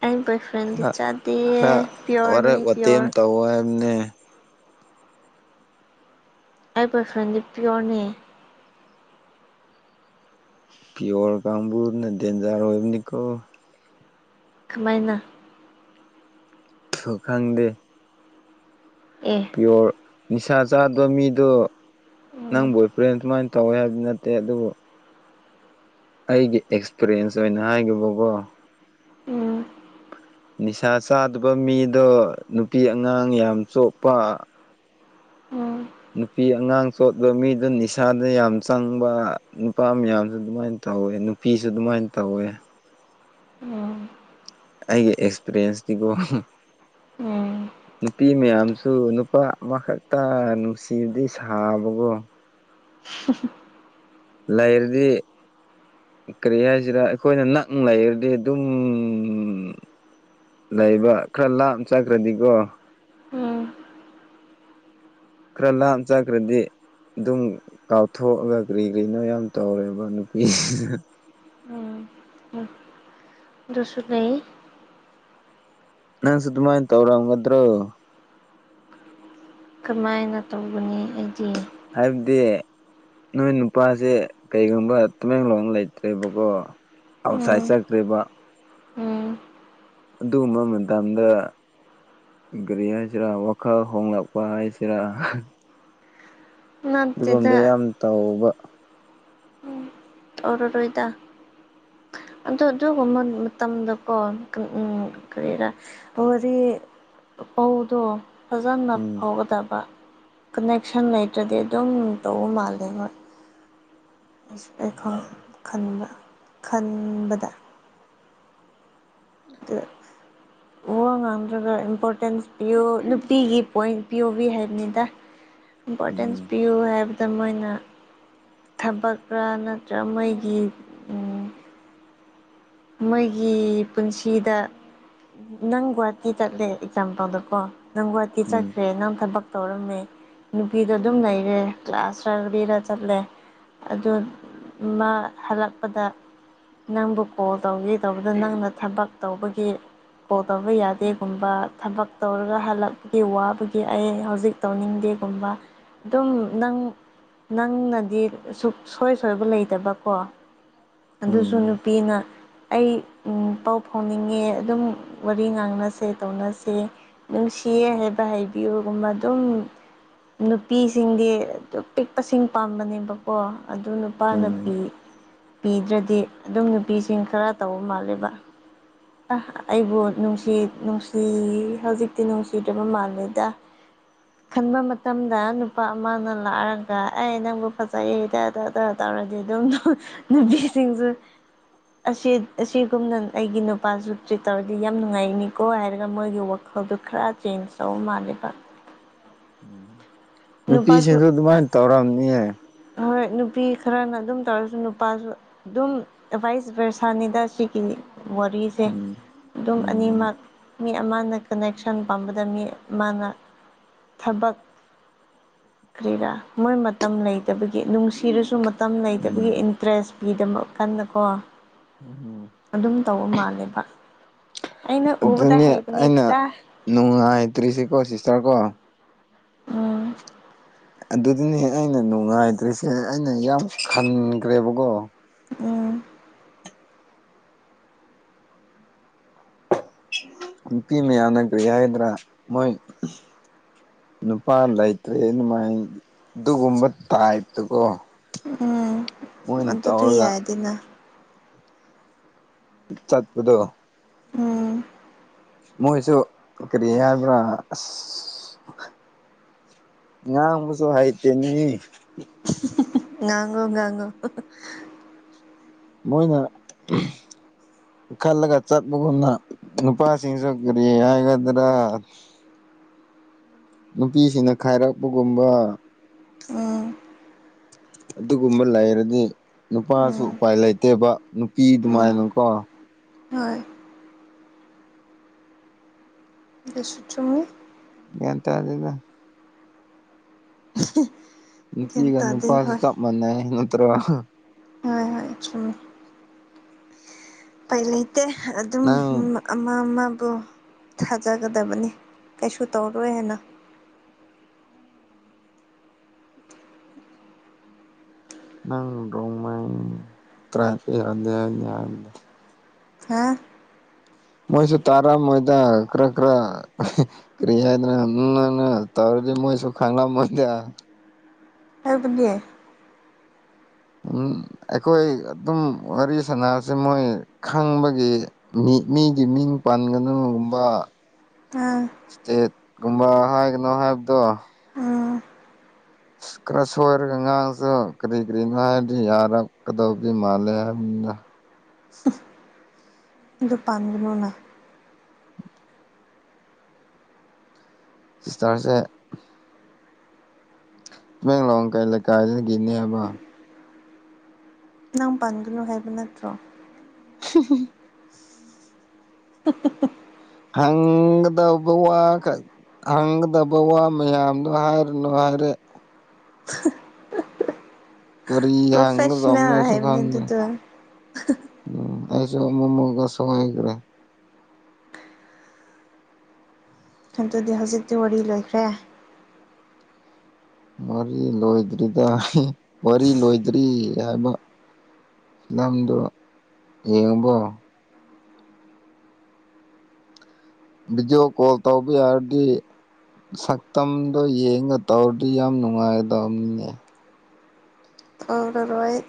B: ꯑꯩ ꯕꯣꯏ ꯐ꯭ꯔꯦꯟꯗꯤ ꯆꯥꯗꯦ
A: [unintelligible] ꯈꯔ
B: ꯄꯤꯌꯣꯔꯅꯤ
A: ꯋꯥꯔꯦꯛ ꯋꯥꯇꯦꯝ
B: ꯄꯤꯌꯣꯔ
A: ꯇꯧ ꯍꯥꯏꯕꯅꯦ
B: ꯑꯩ ꯕꯔꯐ꯭ꯔꯦꯟꯗꯤ ꯄꯤꯌꯣꯔꯅꯦ
A: ꯄꯤꯌꯣꯔ ꯀꯝꯕꯨꯨꯔ ꯅ ꯗꯦꯟꯖꯔ ꯑꯣꯏꯕꯅꯤꯀꯣ
B: ꯀꯃꯥꯏꯅ
A: ꯊꯨꯈꯪꯗꯦ
B: ꯑꯦ
A: ꯄꯤꯌꫭꯔ ꯅꯤꯁꯥ ꯆꯥꯗꯕ ꯃꯤꯗꯣ
B: ꯎꯝ
A: ꯅꯪ ꯕꯣꯏ ꯐ꯭ꯔꯦꯟ ꯁꯨꯃꯥꯏꯅ ꯇꯧꯋꯦ ꯍꯥꯏꯕꯅ ꯇꯦ ꯑꯗꯨꯕꯨ ꯑꯩꯒꯤ ꯑꯦꯛꯁꯄꯤꯔꯤꯌꯦꯟꯁ ꯑꯣꯏꯅ ꯍꯥꯏꯈꯤꯕꯀꯣ
B: ꯎꯝ
A: ꯅꯤꯁꯥ ꯆꯥꯗꯕ ꯃꯤꯗꯣ ꯅꯨꯄꯤ ꯑꯉꯥꯡ ꯌꯥꯝ ꯆꯣꯛꯄ
B: ꯎꯝ
A: ꯅꯨꯄꯤ ꯑꯉꯥꯡ ꯆꯣꯞꯇꯕ ꯃꯤꯗꯨ ꯅꯤꯁꯥꯗ ꯌꯥꯝ ꯆꯪꯕ ꯅꯨꯄꯥ ꯃꯌꯥꯝꯁꯨ ꯑꯗꯨꯃꯥꯏꯅ ꯇꯧꯋꯦ ꯅꯨꯄꯤꯁꯨ ꯑꯗꯨꯃꯥꯏꯅ ꯇꯧꯋꯦ
B: ꯎꯝ
A: ꯑꯩꯒꯤ ꯑꯦꯛꯁꯄꯤꯔꯤꯌꯦꯟꯁꯇꯤꯀꯣ
B: ꯎꯝ
A: ꯅꯨꯄꯤ ꯃꯌꯥꯝꯁꯨ ꯅꯨꯄꯥ ꯑꯃꯈꯛꯇ ꯅꯨꯡꯁꯤꯕꯗꯤ ꯁꯥꯕꯒꯣ ꯂꯩꯔꯗꯤ ꯀꯔꯤ ꯍꯥꯏꯁꯤꯔ ꯑꯩꯈꯣꯏꯅ ꯅꯛꯅ ꯂꯩꯔꯗꯤ ꯑꯗꯨꯝ ꯂꯩꯕ ꯈꯔ ꯂꯥꯞ ꯆꯠꯈ꯭ꯔꯗꯤꯀꯣ
B: ꯎꯝ
A: ꯈꯔ ꯂꯥꯞ ꯆꯥꯈ꯭ꯔꯗꯤ ꯑꯗꯨꯝ ꯀꯥꯎꯊꯣꯛꯑꯒ ꯀꯔꯤ ꯀꯔꯤꯅꯣ ꯌꯥꯝ ꯇꯧꯔꯦꯕ ꯅꯨꯄꯤ
B: ꯎꯝ ꯎ ꯑꯗꯁꯨ ꯂꯩ
A: ꯅꯪꯁꯨ ꯗꯨꯃꯥꯏ ꯇꯧꯔꯝꯒꯗ꯭ꯔꫭ
B: ꯀꯃꯥꯏꯅ ꯇꯧꯒꯅꯤ ꯑꯩꯗꯤ
A: ꯍꯥꯏꯕꯗꯤ ꯅꯣꯏ ꯅꯨꯄꯥꯁꯦ ꯀꯩꯒꯨꯝꯕ ꯇꯨꯃꯦꯟꯡꯂꯣꯡ ꯂꯩꯇ꯭ꯔꯦꯕꯀꯣ
B: ꯎꯝ
A: ꯑꯥꯎꯁꯥꯏꯠ ꯆꯠꯈ꯭ꯔꯤꯕ꯫
B: ꯎꯝ
A: ꯑꯗꯨꯒꯨꯝꯕ ꯃꯇꯝꯗ꯫ ꯒꯥꯔꯤ ꯍꯥꯏꯁꯤꯔꯥ ꯋꯥꯈꯜ ꯍꯣꯡꯂꯛꯄ ꯍꯥꯏꯁꯤꯔ꯫
B: ꯅꯠꯇꯦꯗ
A: ꯑꯗꯨꯒꯨꯝꯕꯗꯨ ꯌꯥꯝ ꯇꯧꯕ꯫
B: ꯑꯣꯔꯔꯣꯏꯗ꯫ ꯑꯗꯨ ꯑꯗꯨꯒꯨꯝꯕ ꯃꯇꯝꯗꯀꯣ ꯎꯝ ꯀꯔꯤꯔꯥ꯫ ꯑꯣꯗꯤ ꯄꯧꯗꯣ꯫ ꯐꯖꯅ
A: ꯎꯝ
B: ꯐꯥꯎꯒꯗꯕ ꯀꯅꯦꯛꯁꯟ ꯂꯩꯇ꯭ꯔꯗꯤ ꯑꯗꯨꯝ ꯇꯧꯕ ꯃꯥꯜꯂꯦ ꯍꯣꯏ [unintelligible] ꯈꯟꯕ ꯈꯟꯕꯗ [unintelligible] ꯋꯥ ꯉꯥꯡꯗ꯭ꯔꯒ ꯏꯝꯄꯣꯔꯇꯦꯟꯁ ꯄꯤꯌꯣ ꯅꯨꯄꯤꯒꯤ ꯄꯣꯏꯟ ꯄꯤ ꯑꯣꯕꯤ ꯍꯥꯏꯕꯅꯤꯗ ꯏꯝꯄꯣꯔꯇꯦꯟꯁ
A: ꯎꯝ
B: ꯄꯤꯌꯨ ꯍꯥꯏꯕꯗ ꯃꯣꯏꯅ ꯊꯕꯛꯀꯔ ꯅꯠꯇ꯭ꯔꯒ ꯃꯣꯏꯒꯤ ꯃꯣꯏꯒꯤ ꯄꯨꯟꯁꯤꯗ ꯅꯪ ꯒꯨꯍꯥꯇꯤ ꯆꯠꯂꯦ ꯑꯦꯛꯖꯥꯝꯄꯜꯗ ꯀꯣ ꯅꯪ ꯒꯋꯥꯇꯤ
A: ꯎꯝ
B: ꯆꯠꯈ꯭ꯔꯦ ꯅꯪ ꯊꯕꯛ꯫ ꯇꯧꯔꯝꯃꯦ ꯅꯨꯄꯤꯗꯣ ꯑꯗꯨꯝ ꯂꯩꯔꯦ ꯀ꯭ꯂꯥꯁ [unintelligible] ꯆꯠꯂꯦ꯫ ꯑꯗꯣ ꯃꯥ ꯍꯜꯂꯛꯄꯗ ꯅꯪꯕꯨ꯫ ꯀꯣꯜ ꯇꯧꯒꯦ ꯇꯧꯕꯗ ꯅꯪꯅ ꯊꯕꯛ ꯇꯧꯕꯒꯤ꯫ ꯀꯣꯜ ꯇꯧꯕ ꯌꯥꯗꯦꯒꯨꯝꯕ ꯊꯕꯛ ꯇꯧꯔꯒ ꯍꯜꯂꯛꯄꯒꯤ ꯋꯥꯕꯒꯤ ꯑꯩ ꯍꯧꯖꯤꯛ꯫ ꯇꯧꯅꯤꯡꯗꯦꯒꯨꯝꯕ ꯑꯗꯨꯝ ꯅꯪ꯫ ꯅꯪꯅꯗꯤ ꯁꯨꯛꯁꯣꯏ ꯁꯣꯏꯕ ꯂꯩꯇꯕꯀꯣ ꯑꯗꯨꯁꯨ
A: ꯎꯝ
B: ꯅꯨꯄꯤꯅ꯫ ꯑꯩ ꯄꯥꯎ ꯐꯥꯎꯅꯤꯡꯉꯦ ꯑꯗꯨꯝ ꯋꯥꯔꯤ ꯉꯥꯡꯅꯁꯦ ꯇꯧꯅꯁꯦ꯫ ꯅꯨꯡꯁꯤꯌꯦ ꯍꯥꯏꯕ ꯍꯥꯏꯕꯤꯌꯨꯒꯨꯝꯕ ꯑꯗꯨꯝ꯫ ꯅꯨꯄꯤꯁꯤꯡꯗꯤ ꯑꯗꯨ ꯄꯤꯛꯄꯁꯤꯡ ꯄꯥꯝꯕꯅꯦꯕꯀꯣ ꯑꯗꯨ ꯅꯨꯄꯥ ꯅꯨꯄꯤ꯫
A: ꯎꯝ
B: ꯄꯤꯗ꯭ꯔꯗꯤ ꯑꯗꯨꯝ ꯅꯨꯄꯤꯁꯤꯡ ꯈꯔ ꯇꯧꯕ ꯃꯥꯜꯂꯦꯕ꯫ ꯑ ꯑꯩꯕꯨ ꯅꯨꯡꯁꯤ ꯅꯨꯡꯁꯤ ꯍꯧꯖꯤꯛꯇꯤ ꯅꯨꯡꯁꯤꯗ꯭ꯔꯕ ꯃꯥꯜꯂꯦꯗ꯫
A: [inaudible]
B: ꯈꯟꯕ ꯃꯇꯝꯗ ꯅꯨꯄꯥ ꯑꯃꯅ ꯂꯥꯛꯑꯒ ꯑꯩ ꯅꯪꯕꯨ ꯐꯖꯩꯗꯗ꯫ ꯗ ꯇꯧꯔꯗꯤ ꯑꯗꯨꯝ ꯅꯨꯄꯤꯁꯤꯡꯁꯨ꯫ ꯑꯁꯤ ꯑꯁꯤꯒꯨꯝꯅ ꯑꯩꯒꯤ ꯅꯨ ꯅꯨꯄꯥꯁꯨ ꯇꯔꯤꯠ ꯇꯧꯔꯗꯤ ꯌꯥꯝ ꯅꯨꯡꯉꯥꯏꯅꯤꯀꯣ ꯍꯥꯏꯔꯒ ꯃꯣꯏꯒꯤ ꯋꯥꯈꯜꯗꯣ ꯈꯔ ꯆꯦꯟꯖ ꯇꯧꯕ ꯃꯥꯜꯂꯦꯕ꯫
A: ꯎꯝ
B: ꯅꯨꯄꯥꯁꯨ
A: ꯅꯨꯄꯤꯁꯤꯡꯁꯨ ꯑꯗꯨꯃꯥꯏꯅ ꯇꯧꯔꯝꯅꯤꯌꯦ꯫
B: ꯍꯣꯏ ꯅꯨꯄꯤ ꯈꯔꯅ ꯑꯗꯨꯝ ꯇꯧꯔꯁꯨ ꯅꯨꯄꯥꯁꯨ꯫ ꯑꯗꯨꯝ ꯕꯥꯏꯁꯕꯥꯔꯁꯅꯤꯗ ꯁꯤꯒꯤ꯫ ꯋꯥꯔꯤꯁꯦ
A: ꯎꯝ
B: ꯑꯗꯨꯝ
A: ꯎꯝ
B: ꯑꯅꯤꯃꯛ꯫ ꯃꯤ ꯑꯃꯅ ꯀꯅꯦꯛꯁꯟ ꯄꯥꯝꯕꯗ ꯃꯤ ꯑꯃꯅ ꯊꯕꯛ꯫ ꯀꯔꯤꯔꯥ ꯃꯣꯏ ꯃꯇꯝ ꯂꯩꯇꯕꯒꯤ ꯅꯨꯡꯁꯤꯔꯁꯨ ꯃꯇꯝ ꯂꯩꯇꯕꯒꯤ
A: ꯎꯝ
B: ꯏꯟꯇꯔꯦꯁ꯫ ꯄꯤꯗꯃꯛ ꯀꯥꯟꯗꯀꯣ꯫
A: ꯎꯝ꯫
B: ꯑꯗꯨꯝ ꯇꯧꯕ ꯃꯥꯜꯂꯦꯕ ꯑꯩꯅ ꯎꯕꯗ ꯍꯩꯕꯅꯦꯇ꯫
A: ꯅꯨꯡꯉꯇ꯭ꯔꯤꯁꯤ ꯀꯣ ꯁꯤꯁꯇꯔ ꯀꯣ꯫
B: ꯎꯝ꯫
A: ꯑꯗꯨꯗꯅꯤ ꯑꯩꯅ ꯅꯨꯡꯉꯥꯏꯇ꯭ꯔꯤꯁꯦ ꯑꯩꯅ ꯌꯥꯝ ꯈꯟꯈ꯭ꯔꯦꯕꯀꯣ꯫
B: ꯎꯝ꯫
A: ꯅꯨꯄꯤ ꯃꯌꯥꯝꯅ ꯀꯔꯤ ꯍꯥꯏꯒꯗ꯭ꯔꯥ ꯃꯣꯏ꯫ ꯅꯨꯄꯥ ꯂꯩꯇ꯭ꯔꯦ ꯑꯗꯨꯃꯥꯏꯅ ꯑꯗꯨꯒꯨꯝꯕ ꯇꯥꯏꯞꯇꯀꯣ꯫
B: ꯎꯝ
A: ꯃꯣꯏꯅ
B: ꯑꯗꯨꯗꯨ
A: ꯇꯧꯔꯒ
B: ꯌꯥꯏꯗꯅ꯫
A: ꯆꯠꯄꯗꯣ
B: ꯎꯝ
A: ꯃꯣꯏꯁꯨ ꯀꯔꯤ ꯍꯥꯏꯕ꯭ꯔꯥ ꯑ ꯉꯥꯡꯕꯁꯨ ꯍꯩꯇꯦꯅꯤ
B: ꯉꯥꯡꯉꯣ ꯉꯥꯡꯉꯣ
A: ꯃꯣꯏꯅꯅ ꯈꯜꯂꯒ ꯆꯠꯃꯒꯅ ꯅꯨꯄꯥ ꯁꯤꯤꯡꯁꯈꯔꯤ ꯍꯥꯏꯒꯗ꯭ꯔ ꯅꯨꯄꯤꯁꯤꯡꯅ ꯈꯥꯏꯔꯛꯄꯒꯨꯝꯕ
B: ꯎꯝ
A: ꯑꯗꯨꯒꯨꯝꯕ ꯂꯩꯔꯗꯤ ꯅꯨꯄꯥꯁꯨ
B: ꯎꯝ
A: ꯎꯄꯥꯏ ꯂꯩꯇꯦꯕ ꯅꯨꯄꯤ
B: ꯎꯝ
A: ꯑꯗꯨꯃꯥꯏꯅꯀꯣ
B: ꯍꯣꯏ ꯑꯗꯨꯁꯨ ꯆꯨꯝꯃꯤ꯫
A: ꯒꯤꯌꯥꯟ ꯇꯥꯗꯦꯗ꯫
B: [unintelligible]
A: ꯅꯨꯄꯤꯒ
B: ꯇꯥꯗꯦ
A: ꯅꯨꯄꯥꯁꯨ
B: ꯍꯣꯏ
A: ꯆꯞ ꯃꯥꯟꯅꯩ ꯅꯠꯇ꯭ꯔꯣ꯫
B: ꯍꯣꯏ ꯍꯣꯏ ꯆꯨꯝꯃꯤ꯫ ꯑꯄꯥꯏ ꯂꯩꯇꯦ ꯑꯗꯨꯝ
A: ꯅꯪ
B: ꯃꯛ꯫ ꯑꯃ ꯑꯃꯕꯨ ꯊꯥꯖꯒꯗꯕꯅꯤ ꯀꯩꯁꯨ ꯇꯧꯔꯣꯏ ꯍꯥꯏꯅ꯫
A: ꯅꯪ ꯔꯣꯃꯡ ꯇꯔꯥꯏꯞ꯫ [inaudible]
B: ꯍꯥꯥ꯫
A: ꯃꯣꯏꯁꯨ ꯇꯥꯔꯝ ꯃꯣꯏꯗ ꯈꯔ ꯈꯔ꯫ ꯀꯔꯤꯌꯥꯗ ꯎ ꯇꯧꯔꯗꯤ ꯃꯣꯏꯁꯨ ꯈꯥꯡ ꯃꯗꯌꯥ
B: ꯍꯥꯏꯕꯨꯗꯤꯦ
A: ꯑꯩꯈꯣꯏ ꯑꯗꯨꯝ ꯋꯥꯔꯤ ꯁꯅꯁ ꯃꯣꯏ ꯈꯪꯕꯒꯤ ꯃꯤ ꯃꯤꯒꯤ ꯃꯤꯡ ꯄꯥꯟꯒꯅꯨꯒꯨꯝꯕ
B: ꯑ
A: ꯏꯁꯇꯦꯠ ꯀꯨꯝꯕ ꯍꯥꯏꯒꯅꯣ ꯍꯥꯏꯕꯗꯣ
B: ꯎꯝ
A: ꯈꯔ ꯁꯣꯏꯔꯒ ꯑꯉꯥꯡꯁꯨ ꯀꯔꯤ ꯀꯔꯤꯅꯣ ꯍꯥꯏꯔꯗꯤ ꯌꯥꯔꯛꯀꯗꯧꯗꯤ ꯃꯥꯜꯂꯦ ꯍꯥꯏꯕꯅꯤꯅ
B: ꯑꯗꯨ ꯄꯥꯟꯒꯅꯣꯅ
A: ꯁꯤꯁꯇꯔꯁꯦ ꯕꯦꯡꯡꯂꯣꯡ ꯀ ꯂꯩꯀꯥꯏꯁꯤꯅꯗꯒꯤꯅꯦꯕ
B: ꯅꯪ ꯄꯥꯟꯒꯅꯨ ꯍꯥꯏꯕ ꯅꯠꯇ꯭ꯔꯣ
A: [inaudible]
B: ꯎ
A: ꯍꯪꯒꯗꯕ ꯋꯥ ꯍꯪꯒꯗꯕ ꯋꯥ ꯃꯌꯥꯝꯗꯣ ꯍꯥꯏꯔꯨꯅꯨ ꯍꯥꯏꯔꯦ ꯐꯔꯤ ꯍꯪꯒ
B: ꯄ꯭ꯔꯣꯐꯦꯁꯅꯦꯜ
A: ꯇꯣꯝꯅꯤꯁꯨ
B: ꯍꯥꯏꯕꯅꯤ
A: ꯈꯥꯡꯗ
B: ꯑꯗꯨꯗꯣ
A: ꯎꯝ ꯑꯩꯁꯨ ꯃꯣꯃꯣꯒꯁꯨ ꯍꯈ꯭ꯔꯦ
B: ꯑꯗꯨꯗꯤ ꯍꯧꯖꯤꯛꯇꯤ ꯋꯥꯔꯤ ꯂꯣꯏꯈ꯭ꯔꯦ
A: ꯃ ꯂꯣꯏꯗ꯭ꯔꯤꯗ ꯋꯥꯔꯤ ꯂꯣꯏꯗ꯭ꯔꯤ ꯍꯥꯏꯕ ꯂꯝꯗꯣ ꯌꯦꯡꯉꯕꯣ ꯕꯤꯗꯤꯑꯣ ꯀꯣꯜ ꯇꯧꯕꯤ ꯍꯥꯏꯔꯗꯤ ꯁꯛꯇꯝꯗꯣ ꯌꯦꯡꯒ ꯇꯧꯔꯗꯤ ꯌꯥꯝ ꯅꯨꯡꯉꯥꯏꯗꯕꯅꯤꯅꯦ
B: ꯊꯧꯔ ꯔꯣꯏ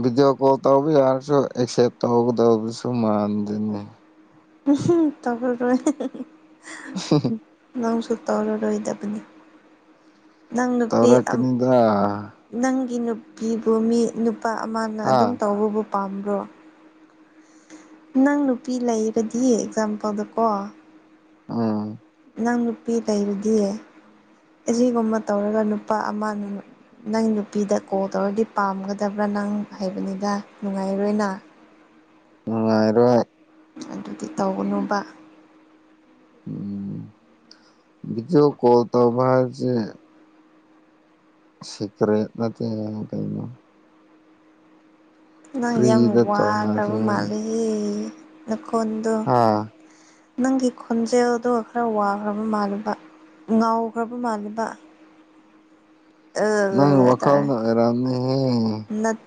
A: ꯚꯤꯗꯤꯑꯣ ꯀꯣꯜ ꯇꯧꯕ ꯌꯥꯔꯁꯨ ꯑꯦꯛꯁꯦꯞ ꯇꯧꯧꯒꯗꯕꯁꯨ ꯃꯥꯟꯗꯅꯤ
B: ꯎꯝ ꯇꯣꯏ
A: ꯍ ꯍ
B: ꯅꯪꯁꯨ ꯇꯧꯔꯔꯣꯏꯗꯕꯅꯤ ꯅꯪ ꯅꯨꯄꯤ
A: ꯇꯧꯔꯛꯀꯅꯤꯗ
B: ꯅꯪꯒꯤ ꯅꯨꯄꯤꯕꯨ ꯃꯤ ꯅꯨꯄꯥ ꯑꯃꯅ ꯑꯗꯨꯝ
A: ꯑꯥ
B: ꯇꯧꯕꯕꯨ ꯄꯥꯝꯕ꯭ꯔꯣ ꯅꯪ ꯅꯨꯄꯤ ꯂꯩꯔꯗꯤ ꯑꯦꯛꯖꯥꯝꯄꯜꯗꯀꯣ
A: ꯑ
B: ꯅꯪ ꯅꯨꯄꯤ ꯂꯩꯔꯗꯤꯌꯦ ꯑꯁꯤꯒꯨꯝꯕ ꯇꯧꯔꯒ ꯅꯨꯄꯥ ꯑꯃꯅ ꯅꯪ ꯅꯨꯄꯤꯗ ꯀꯣꯜ ꯇꯧꯔꯗꯤ ꯄꯥꯝꯒꯗꯕ꯭ꯔꯥ ꯅꯪ ꯍꯥꯏꯕꯅꯤꯗ ꯅꯨꯡꯉꯥꯏꯔꯣꯏꯅ
A: ꯃꯉꯥꯏꯔ
B: ꯑꯗꯨꯗꯤ ꯇꯧꯅꯨꯕ
A: ꯎꯝ ꯕꯤꯖꯑꯣ ꯀꯣ ꯇꯕꯥꯁꯦ ꯁꯤꯀ꯭ꯔꯦꯠ ꯅꯠꯇꯦ ꯀꯩꯅꯣ
B: ꯅꯪ ꯌꯥꯝ
A: ꯐ꯭ꯔꯤꯗ
B: ꯋꯥꯈ꯭ꯔꯕ
A: ꯇꯧꯅꯁꯦ
B: ꯃꯥꯜꯂꯤ ꯅꯈꯣꯟꯗꯣ
A: ꯍꯥ
B: ꯅꯪꯒꯤ ꯈꯣꯟꯖꯦꯜꯗꯣ ꯈꯔ ꯋꯥꯈ꯭ꯔꯕ ꯃꯥꯜꯂꯤꯕ ꯉꯥꯎꯈ꯭ꯔꯕ ꯃꯥꯜꯂꯤꯕ
A: ꯅꯪ ꯋꯥꯈꯜꯅꯔꯦ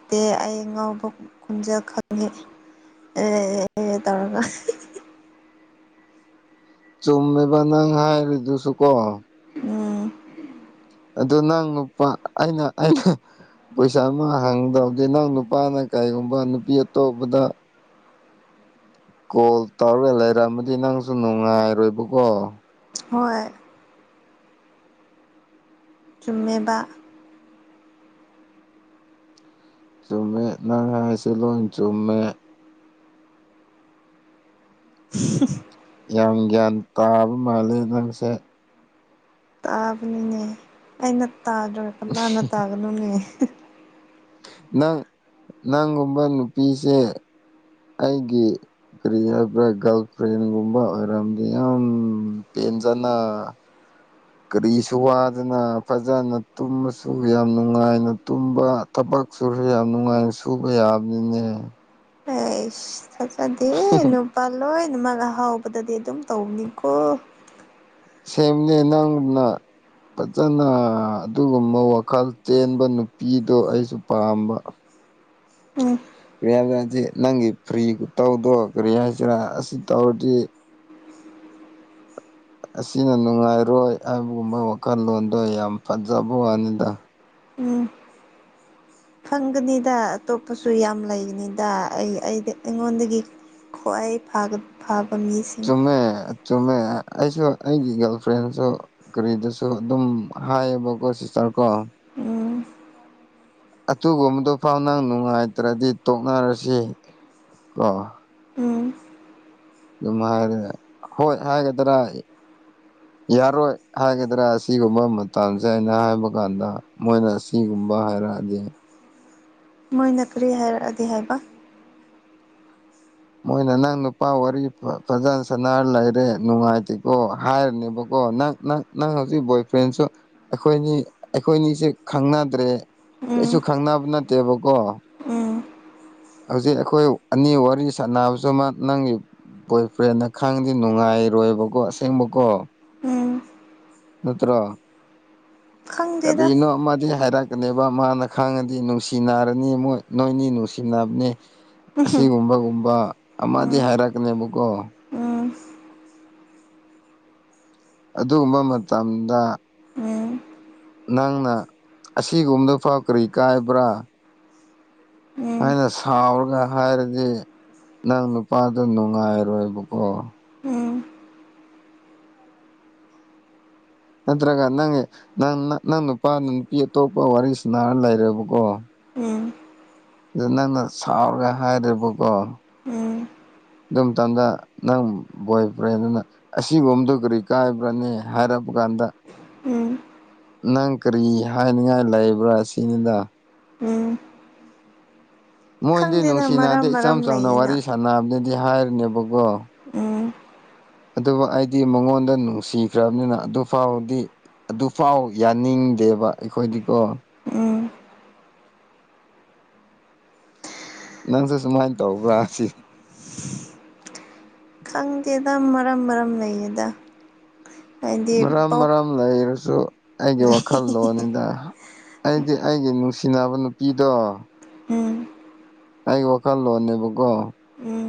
B: ꯗꯦ ꯑꯩ ꯉꯕ ꯈꯨꯝꯖꯦꯜ ꯈꯪꯉꯤ ꯇꯧꯔꯒ
A: ꯆꯨꯝꯃꯤꯕ ꯅꯪ ꯍꯥꯏꯔꯤꯗꯨꯁꯨ ꯀꯣ
B: ꯎꯝ
A: ꯑꯗꯣ ꯅꯪ ꯅꯨꯄꯥ ꯑꯩꯅ ꯑꯩꯅ ꯄꯩꯁꯥ ꯑꯃ ꯍꯥꯡꯗꯕꯗꯤꯦ ꯅꯪ ꯅꯨꯄꯥꯅ ꯀꯔꯤꯒꯨꯝꯕ ꯅꯨꯄꯤ ꯑꯇꯣꯞꯄꯗ ꯀꯣꯜ ꯇꯧꯔꯦ ꯂꯩꯔꯝꯃꯗꯤ ꯅꯪꯁꯨ ꯅꯨꯡꯉꯥꯏꯔꯣꯏꯕꯀꯣ
B: ꯍꯣꯏ ꯆꯨꯝꯃꯦꯕ
A: ꯆꯨꯝꯃꯦ ꯅꯪ ꯍꯥꯏꯁꯤ ꯂꯣꯏ ꯆꯨꯝꯃꯦ
B: [unintelligible]
A: ꯌꯥꯝ ꯒ꯭ꯌꯥꯟ ꯇꯥꯕ ꯃꯥꯂꯦ ꯅꯪꯁꯦ
B: ꯇꯥꯕꯅꯤꯅꯦ ꯑꯩꯅ ꯇꯥꯗ꯭ꯔ ꯀꯂꯅ ꯇꯥꯒꯅꯨꯅꯦ
A: ꯅꯪ ꯅꯪꯒꯨꯝꯕ ꯅꯨꯄꯤꯁꯦ ꯑꯩꯒꯤ ꯀꯔꯤ ꯍꯥꯏꯕ꯭ꯔꯥ ꯒꯥꯔꯜ ꯐ꯭ꯔꯦꯟꯒꯨꯝꯕ ꯑꯣꯏꯔꯝꯗꯤ ꯌꯥꯝ ꯄꯦꯟꯖꯅ ꯀꯔꯤꯁꯨ ꯋꯥꯗꯅ ꯐꯖꯅ ꯇꯨꯝꯃꯁꯨ ꯌꯥꯝ ꯅꯨꯡꯉꯥꯏꯅ ꯇꯨꯝꯕ ꯊꯕꯛ ꯁꯨꯔꯁꯨ ꯌꯥꯝ ꯅꯨꯡꯉꯥꯏꯅ ꯁꯨꯕ ꯌꯥꯕꯅꯤꯅꯦ
B: ꯑꯩ ꯆꯠꯆꯗꯦ ꯅꯨꯄꯥ ꯂꯣꯏꯅꯃꯛ ꯑꯍꯥꯎꯕꯗꯗꯤ ꯑꯗꯨꯝ ꯇꯧꯅꯤꯀꯣ
A: ꯁꯦꯝꯅꯦ ꯅꯪꯅ ꯐꯖꯅ ꯑꯗꯨꯒꯨꯝꯕ ꯋꯥꯈꯜ ꯆꯦꯟꯕ ꯅꯨꯄꯤꯗꯣ ꯑꯩꯁꯨ ꯄꯥꯝꯕ
B: ꯎꯝ
A: ꯀꯔꯤꯌꯥꯁꯤ ꯅꯪꯒꯤ ꯐ꯭ꯔꯤꯒ ꯇꯧꯗꯣ ꯀꯔꯤꯌꯥ ꯍꯥꯏꯁꯤꯔꯥ ꯑꯁꯤ ꯇꯧꯔꯗꯤ ꯑꯁꯤꯅ ꯅꯨꯡꯉꯥꯏꯔꯣꯏ ꯍꯥꯏꯕꯒꯨꯝꯕ ꯋꯥꯈꯜꯂꯣꯟꯗꯣ ꯌꯥꯝ ꯐꯖꯕ ꯋꯥꯅꯤꯗ
B: ꯎꯝ ꯐꯪꯒꯅꯤꯗ ꯑꯇꯣꯞꯄꯁꯨ ꯌꯥꯝ ꯂꯩꯒꯅꯤꯗ ꯑꯩꯗꯤ ꯑꯩꯉꯣꯟꯗꯒꯤ ꯈ꯭ꯋꯥꯏ ꯐꯒ ꯐꯥꯕ ꯃꯤꯁꯦ
A: ꯆꯨꯝꯃꯦ ꯆꯨꯝꯃꯦ ꯑꯩꯁꯨ ꯑꯩꯒꯤ ꯒꯥꯔꯜ ꯐ꯭ꯔꯦꯟꯁꯨ ꯀꯔꯤꯗꯁꯨ ꯑꯗꯨꯝ ꯍꯥꯏꯌꯦꯕꯀꯣ ꯁꯤꯁꯇꯔ ꯀꯣ
B: ꯎꯝ
A: ꯑꯊꯕꯗ ꯐꯥꯎ ꯅꯪ ꯅꯨꯡꯉꯥꯏꯇ꯭ꯔꯗꯤ ꯇꯣꯛꯅꯔꯁꯤ ꯀꯣ
B: ꯎꯝ
A: ꯑꯗꯨꯝ ꯍꯥꯏꯔꯦ ꯍꯣꯏ ꯍꯥꯏꯒꯗ꯭ꯔꯥ ꯌꯥꯔꯣꯏ ꯍꯥꯏꯒꯗ꯭ꯔꯥ ꯑꯁꯤꯒꯨꯝꯕ ꯃꯇꯝꯁꯦ ꯑꯩꯅ ꯍꯥꯏꯕ ꯀꯥꯟꯗ ꯃꯣꯏꯅ ꯁꯤꯒꯨꯝꯕ ꯍꯥꯏꯔꯛꯑꯗꯤ
B: ꯃꯣꯏꯅ ꯀꯔꯤ ꯍꯥꯏꯔꯛꯑꯗꯤ ꯍꯥꯏꯕ
A: ꯃꯣꯏꯅ ꯅꯪ ꯅꯨꯄꯥ ꯋꯥꯔꯤ ꯐꯖꯅ ꯁꯅꯔ ꯂꯩꯔꯦ ꯅꯨꯡꯉꯥꯏꯇꯦꯀꯣ ꯍꯥꯏꯔꯅꯦꯕꯀꯣ ꯅꯪ ꯅꯪ ꯅꯪ ꯍꯧꯖꯤꯛ ꯕꯣꯏ ꯐ꯭ꯔꯦꯟꯁꯨ ꯑꯩꯈꯣꯏꯅꯤ ꯑꯩꯈꯣꯏꯅꯤꯁꯦ ꯈꯪꯅꯗ꯭ꯔꯦ
B: ꯎꯝ
A: ꯀꯩꯁꯨ ꯈꯪꯅꯕ ꯅꯠꯇꯦꯕꯀꯣ
B: ꯎꯝ
A: ꯍꯧꯖꯤꯛ ꯑꯩꯈꯣꯏ ꯑꯅꯤ ꯋꯥꯔꯤ ꯁꯥꯟꯅꯕꯁꯨ ꯑꯃ ꯅꯪꯒꯤ ꯕꯣꯏ ꯐ꯭ꯔꯦꯟꯅ ꯈꯪꯗꯤꯦ ꯅꯨꯡꯉꯥꯏꯔꯣꯏꯕꯀꯣ ꯑꯁꯦꯡꯕꯀꯣ
B: ꯎꯝ
A: ꯅꯠꯇ꯭ꯔꯣ
B: ꯈꯪꯗꯦꯗ
A: ꯀꯔꯤꯅꯣ ꯃꯥꯗꯤ ꯍꯥꯏꯔ ꯀꯅꯦꯕ ꯃꯥꯅ ꯈꯥꯡꯉꯗꯤ ꯅꯨꯡꯁꯤ ꯅꯥꯔꯅꯤꯣꯏ ꯅꯣꯏꯅꯤ ꯅꯨꯡꯁꯤꯕꯅꯦ
B: ꯎꯝ
A: ꯑꯁꯤꯒꯨꯝꯕꯒꯨꯝꯕ ꯑꯃꯗꯤ
B: ꯎꯝ
A: ꯍꯥꯏꯔꯛꯀꯅꯦꯕꯀꯣ
B: ꯎꯝ
A: ꯑꯗꯨꯒꯨꯝꯕ ꯃꯇꯝꯗ
B: ꯎꯝ
A: ꯅꯪꯅ ꯑꯁꯤꯒꯨꯝꯕꯗꯐꯥꯎ ꯀꯔꯤ ꯀꯥꯏꯕ꯭ꯔꯥ
B: ꯎꯝ
A: ꯑꯩꯅ ꯁꯥꯎꯔꯒ ꯍꯥꯏꯔꯗꯤ ꯅꯪ ꯅꯨꯄꯥꯗꯨ ꯅꯨꯡꯉꯥꯏꯔꯣꯏꯕꯀꯣ
B: ꯎꯝ
A: ꯅꯠꯇ꯭ꯔꯒ ꯅꯪꯒꯤ ꯅꯪ ꯅꯪ ꯅꯪ ꯅꯨꯄꯥꯅ ꯅꯨꯄꯤ ꯑꯇꯣꯞꯄ ꯋꯥꯔꯤ ꯁꯥꯅꯥꯔ ꯂꯩꯔꯦꯕꯀꯣ
B: ꯎꯝ
A: ꯑꯗ ꯅꯪꯅ ꯁꯥꯎꯔꯒ ꯍꯥꯏꯔꯦꯕꯀꯣ
B: ꯎꯝ
A: ꯑꯗꯨ ꯃꯇꯝꯗ ꯅꯪ ꯕꯣꯏꯐ꯭ꯔꯦꯟ ꯗꯨꯅ ꯑꯁꯤꯒꯨꯝꯗ‌ꯣ ꯀꯔꯤ ꯀꯥꯏꯕꯔꯅ‌ꯦ ꯍꯥꯏꯔꯛꯄ ꯀꯥꯟꯗ
B: ꯎꯝ
A: ꯅꯪ ꯀꯔꯤ ꯍꯥꯏꯅꯤꯡꯉꯥꯏ ꯂꯩꯕ꯭ꯔꯥ ꯑꯁꯤꯅꯤꯗ
B: ꯎꯝ
A: ꯃꯣꯏꯗꯤ
B: ꯈꯪꯗꯦꯗ ꯃꯔꯝ
A: ꯅꯨꯡꯁꯤꯅꯗꯦ ꯏꯆꯝ
B: ꯃꯔꯝ
A: ꯆꯝꯅ ꯋꯥꯔꯤ
B: ꯂꯩꯌꯦꯅ
A: ꯁꯥꯟꯅꯕꯅ‌ꯦꯗꯤ ꯍꯥꯏꯔꯤꯅꯦꯕꯀꯣ
B: ꯎꯝ
A: ꯑꯗꯨꯕꯨ ꯑꯩꯗꯤ ꯃꯉꯣꯟꯗ ꯅꯨꯡꯁꯤꯈ꯭ꯔꯕꯅꯤꯅ ꯑꯗꯨ ꯐꯥꯎꯕꯗꯤ ꯑꯗꯨꯐꯥꯎ ꯌꯥꯅꯤꯡꯗꯦꯕ ꯑꯩꯈꯣꯏꯗꯤꯀꯣ
B: ꯎꯝ
A: ꯅꯪꯁꯨ ꯁꯨꯃꯥꯏꯅ ꯇꯧꯕ꯭ꯔꯥ ꯁꯤ
B: ꯈꯪꯗꯦꯗ ꯃꯔꯝ ꯃꯔꯝ ꯂꯩꯌꯦꯗ ꯍꯥꯏꯗꯤ
A: ꯃꯔꯝ
B: ꯄꯣꯞ
A: ꯃꯔꯥꯡ ꯂꯩꯔꯁꯨ ꯑꯩꯒꯤ ꯋꯥꯈꯜꯂꯣꯟꯅꯤꯗ ꯑꯩꯗꯤ ꯑꯩꯒꯤ ꯅꯨꯡꯁꯤꯅꯕ ꯅꯨꯄꯤꯗꯣ
B: ꯎꯝ
A: ꯑꯩꯒꯤ ꯋꯥꯈꯜꯂꯣꯟꯣꯟꯅꯦꯕꯀꯣ
B: ꯎꯝ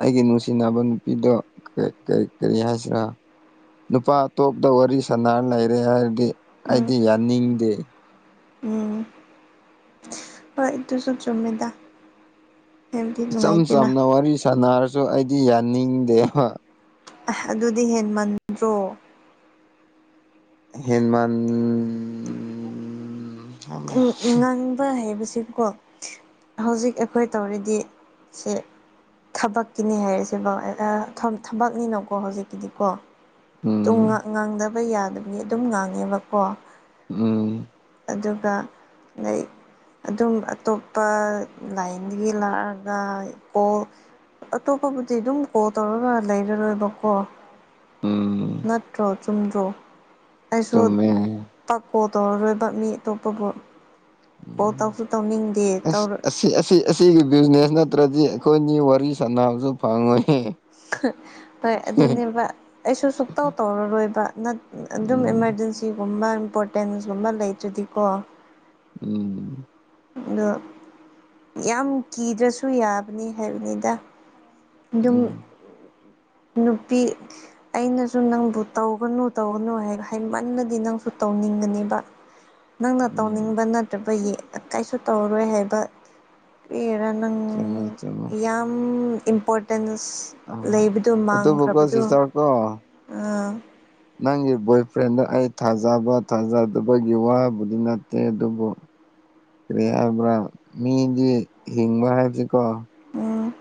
A: ꯑꯩꯒꯤ ꯅꯨꯡꯁꯤꯅꯕ ꯅꯨꯄꯤꯗꯣ ꯀꯔꯤ ꯀꯔꯤ ꯍꯥꯏꯁꯤꯔꯥ ꯅꯨꯄꯥ ꯑꯇꯣꯞꯇ ꯋꯥꯔꯤ ꯁꯅꯔ ꯂꯩꯔꯦ ꯍꯥꯏꯔꯗꯤ
B: ꯎꯝ
A: ꯑꯩꯗꯤ ꯌꯥꯅꯤꯡꯗꯦ
B: ꯎꯝ ꯍꯣꯏ ꯑꯗꯨꯁꯨ ꯆꯨꯝꯃ‌ꯦꯗꯥꯥ
A: ꯏꯆꯝ ꯆꯝꯅ ꯋꯥꯔꯤ ꯁꯥꯟꯅꯔꯁꯨ ꯑꯩꯗꯤ ꯌꯥꯅꯤꯡꯗꯦꯕ
B: ꯑ ꯑꯗꯨꯗꯤ ꯍꯦꯟ ꯃꯟꯗ꯭ꯔꯣ
A: ꯍꯦꯟꯃꯟ ꯈꯪꯗꯦ
B: ꯎꯝ ꯉꯥꯡꯕ ꯍꯥꯏꯕꯁꯤꯀꯣ ꯍꯧꯖꯤꯛ ꯑꯩꯈꯣꯏ ꯇꯧꯔꯤꯗꯤ ꯁꯦ ꯊꯕꯛꯀꯤꯅꯦ ꯍꯥꯏꯔꯤꯁꯦꯕ ꯊꯕꯛꯅꯤꯅꯀꯣ ꯍꯧꯖꯤꯛꯀꯤꯗꯤꯀꯣ
A: ꯎꯝ
B: ꯉꯥ ꯉꯥꯡꯗꯕ ꯌꯥꯗꯕꯒꯤ ꯑꯗꯨꯝ ꯉꯥꯡꯉꯦꯕꯀꯣ
A: ꯎꯝ
B: ꯑꯗꯨꯒ ꯂꯩ ꯑꯗꯨꯝ ꯑꯇꯣꯞꯄ ꯂꯥꯏꯟꯗꯒꯤ ꯂꯥꯛꯑꯒ ꯀꯣꯜ ꯑꯇꯣꯞꯄꯕꯨꯗꯤ ꯑꯗꯨꯝ ꯀꯣꯜ ꯇꯧꯔꯒ ꯂꯩꯔꯔꯣꯏꯕꯀꯣ
A: ꯎꯝ
B: ꯅꯠꯇ꯭ꯔꯣ ꯆꯨꯝꯗ꯭ꯔꯣ ꯑꯩꯁꯨ
A: ꯆꯨꯝꯃꯦ
B: ꯄꯥꯛ ꯀꯣꯜ ꯇꯧꯔꯔꯣꯏꯕ ꯃꯤ ꯑꯇꯣꯞꯄꯕꯨ ꯀ‌ꯣꯜ ꯇꯧꯁꯨ ꯇꯧꯅꯤꯡꯗꯦ ꯇꯧꯔ
A: ꯁꯤ ꯑꯁꯤꯒꯤ ꯕꯤꯖꯤꯅꯦꯁ ꯅꯠꯇ꯭ꯔꯗꯤ ꯑꯩꯈꯣꯏꯅꯤ ꯋꯥꯔꯤ ꯁꯥꯟꯅꯕꯁꯨ ꯐꯪꯉꯣꯏꯅ‌ꯦ
B: [unintelligible] ꯍꯣꯏ ꯑꯗꯨꯅꯦꯕ ꯑꯩꯁꯨ ꯁꯨꯛꯇꯧ ꯇꯧꯔꯔꯣꯏꯕ ꯅꯠ ꯑꯗꯨꯝ
A: ꯎꯝ
B: ꯏꯃꯥꯔꯖꯦꯟꯁꯤ ꯁꯤꯒꯨꯝꯕ ꯏꯝꯄꯣꯔꯇꯦꯟꯁꯒꯨꯝꯕ ꯂꯩꯇ꯭ꯔꯗꯤꯀꯣ
A: ꯎꯝ
B: ꯑꯗꯣ ꯌꯥꯝ ꯀꯤꯗ꯭ꯔꯁꯨ ꯌꯥꯕꯅꯤ ꯍꯥꯏꯕꯅꯤꯗ ꯑꯗꯨꯝ
A: ꯎꯝ
B: ꯅꯨꯄꯤ ꯑꯩꯅꯁꯨ ꯅꯪꯕꯨ ꯇꯧꯒꯅꯨ ꯇꯧꯒꯅꯨ ꯍꯥꯏ ꯍꯥꯏ ꯃꯟꯂꯗꯤ ꯅꯪꯁꯨ ꯇꯧꯅꯤꯡꯒꯅꯦꯕ
A: [inaudible]
B: ꯅꯪꯅ
A: ꯎꯝ
B: ꯇꯧꯅꯤꯡꯕ ꯅꯠꯇ꯭ꯔꯕꯒꯤ ꯀꯩꯁꯨ ꯇꯧꯔꯔꯣꯏ ꯍꯥꯏꯕ ꯀꯔꯤꯔꯥ ꯅꯪ
A: ꯆꯨꯝꯃꯦ ꯆꯨꯝꯃꯦ
B: ꯌꯥꯝ ꯏꯝꯄꯣꯔꯇꯦꯟꯁ ꯂꯩꯕꯗꯨꯣ ꯃꯥꯡꯈ꯭ꯔꯕꯗꯣ
A: ꯂ‌ꯣ
B: ꯎꯝ
A: ꯅꯪꯒꯤ ꯕꯣꯏꯐ꯭ꯔꯦꯟꯗ‌ꯣ ꯑꯩ ꯊꯥꯖꯕ ꯊꯥꯖꯗꯕꯒꯤ ꯋꯥꯕꯨꯗꯤ ꯅꯠꯇꯦ ꯑꯗꯨꯕꯨ ꯀꯔꯤ ꯍꯥꯏꯕ꯭ꯔꯥ ꯃꯤꯗꯤ ꯍꯤꯡꯕ ꯍꯥꯏꯕꯁꯤꯀꯣ
B: ꯎꯝ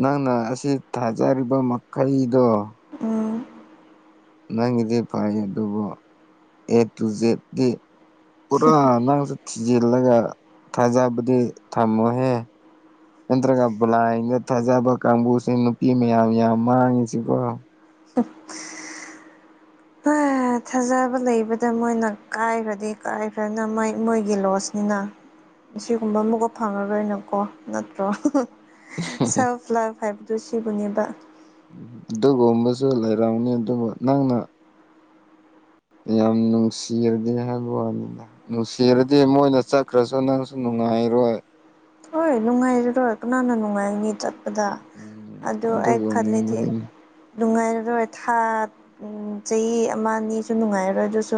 A: ꯅꯪꯅ ꯑꯁꯤ ꯊꯥꯖꯔꯤꯕ ꯃꯈꯩꯗꯣ
B: ꯎꯝ
A: ꯅꯪꯒꯤꯗꯤ ꯐꯩ ꯑꯗꯨꯕꯨ ꯑꯦ ꯇꯨ ꯖꯦꯠꯀꯤ ꯄꯨꯔꯥ ꯅꯪꯁꯨ ꯊꯤꯖꯤꯜꯂꯒ ꯊꯥꯖꯕꯗꯤ ꯊꯝꯃꯣꯍꯦ ꯅꯠꯇ꯭ꯔꯒ ꯕꯂꯥꯏꯟꯗ ꯊꯥꯖꯕ ꯀꯥꯡꯕꯨꯁꯦ ꯅꯨꯄꯤ ꯃꯌꯥꯝ ꯌꯥꯝ ꯃꯥꯡꯉꯤꯁꯤꯀꯣ
B: [inaudible] ꯊꯥꯖꯕ ꯂꯩꯕꯗ ꯃꯣꯏꯅ ꯀꯥꯏꯈ꯭ꯔꯗꯤ ꯀꯥꯏꯈ꯭ꯔꯅ ꯃꯣꯏ ꯃꯣꯏꯒꯤ ꯂꯣꯁꯅꯤꯅ꯫ ꯑꯁꯤꯒꯨꯝꯕ ꯑꯃꯒ ꯐꯪꯉꯔꯣꯏꯅꯀꯣ ꯅꯠꯇ꯭ꯔꯣ꯫ ꯁꯦꯜꯐ ꯂꯚ ꯍꯥꯏꯕꯗꯨꯣ ꯁꯤꯕꯨꯅꯦꯕ
A: ꯎ ꯑꯗꯨꯒꯨꯝꯕꯁꯨ ꯂꯩꯔꯥꯎꯅꯤ ꯑꯗꯨꯕꯨ ꯅꯪꯅ ꯌꯥꯝ ꯅꯨꯡꯁꯤꯔꯗꯤ ꯍꯥꯏꯕ ꯋꯥꯅꯤꯗ ꯅꯨꯡꯁꯤꯔꯗꯤ ꯃꯣꯏꯅ ꯆꯠꯈ꯭ꯔꯁꯨ ꯅꯪꯁꯨ ꯅꯨꯡꯉꯥꯏꯔꯣꯏ
B: ꯍꯣꯏ ꯅꯨꯡꯉꯥꯏꯔꯔꯣꯏ ꯀꯅꯥꯅ ꯅꯨꯡꯉꯥꯏꯒꯅꯤ ꯆꯠ ꯑꯗ
A: ꯎꯝ
B: ꯑꯗꯨ ꯑꯩ ꯈꯜꯂꯤꯗꯤ
A: ꯑꯗꯨꯒꯨꯝꯕꯒꯤꯅꯤ
B: ꯅꯨꯡꯉꯥꯏꯔꯔꯣꯏ ꯊꯥ ꯎꯝ ꯆꯍꯤ ꯑꯃ ꯑꯅꯤꯁꯨ ꯅꯨꯡꯉꯥꯏꯔꯔꯣꯏ ꯑꯗꯨꯁꯨ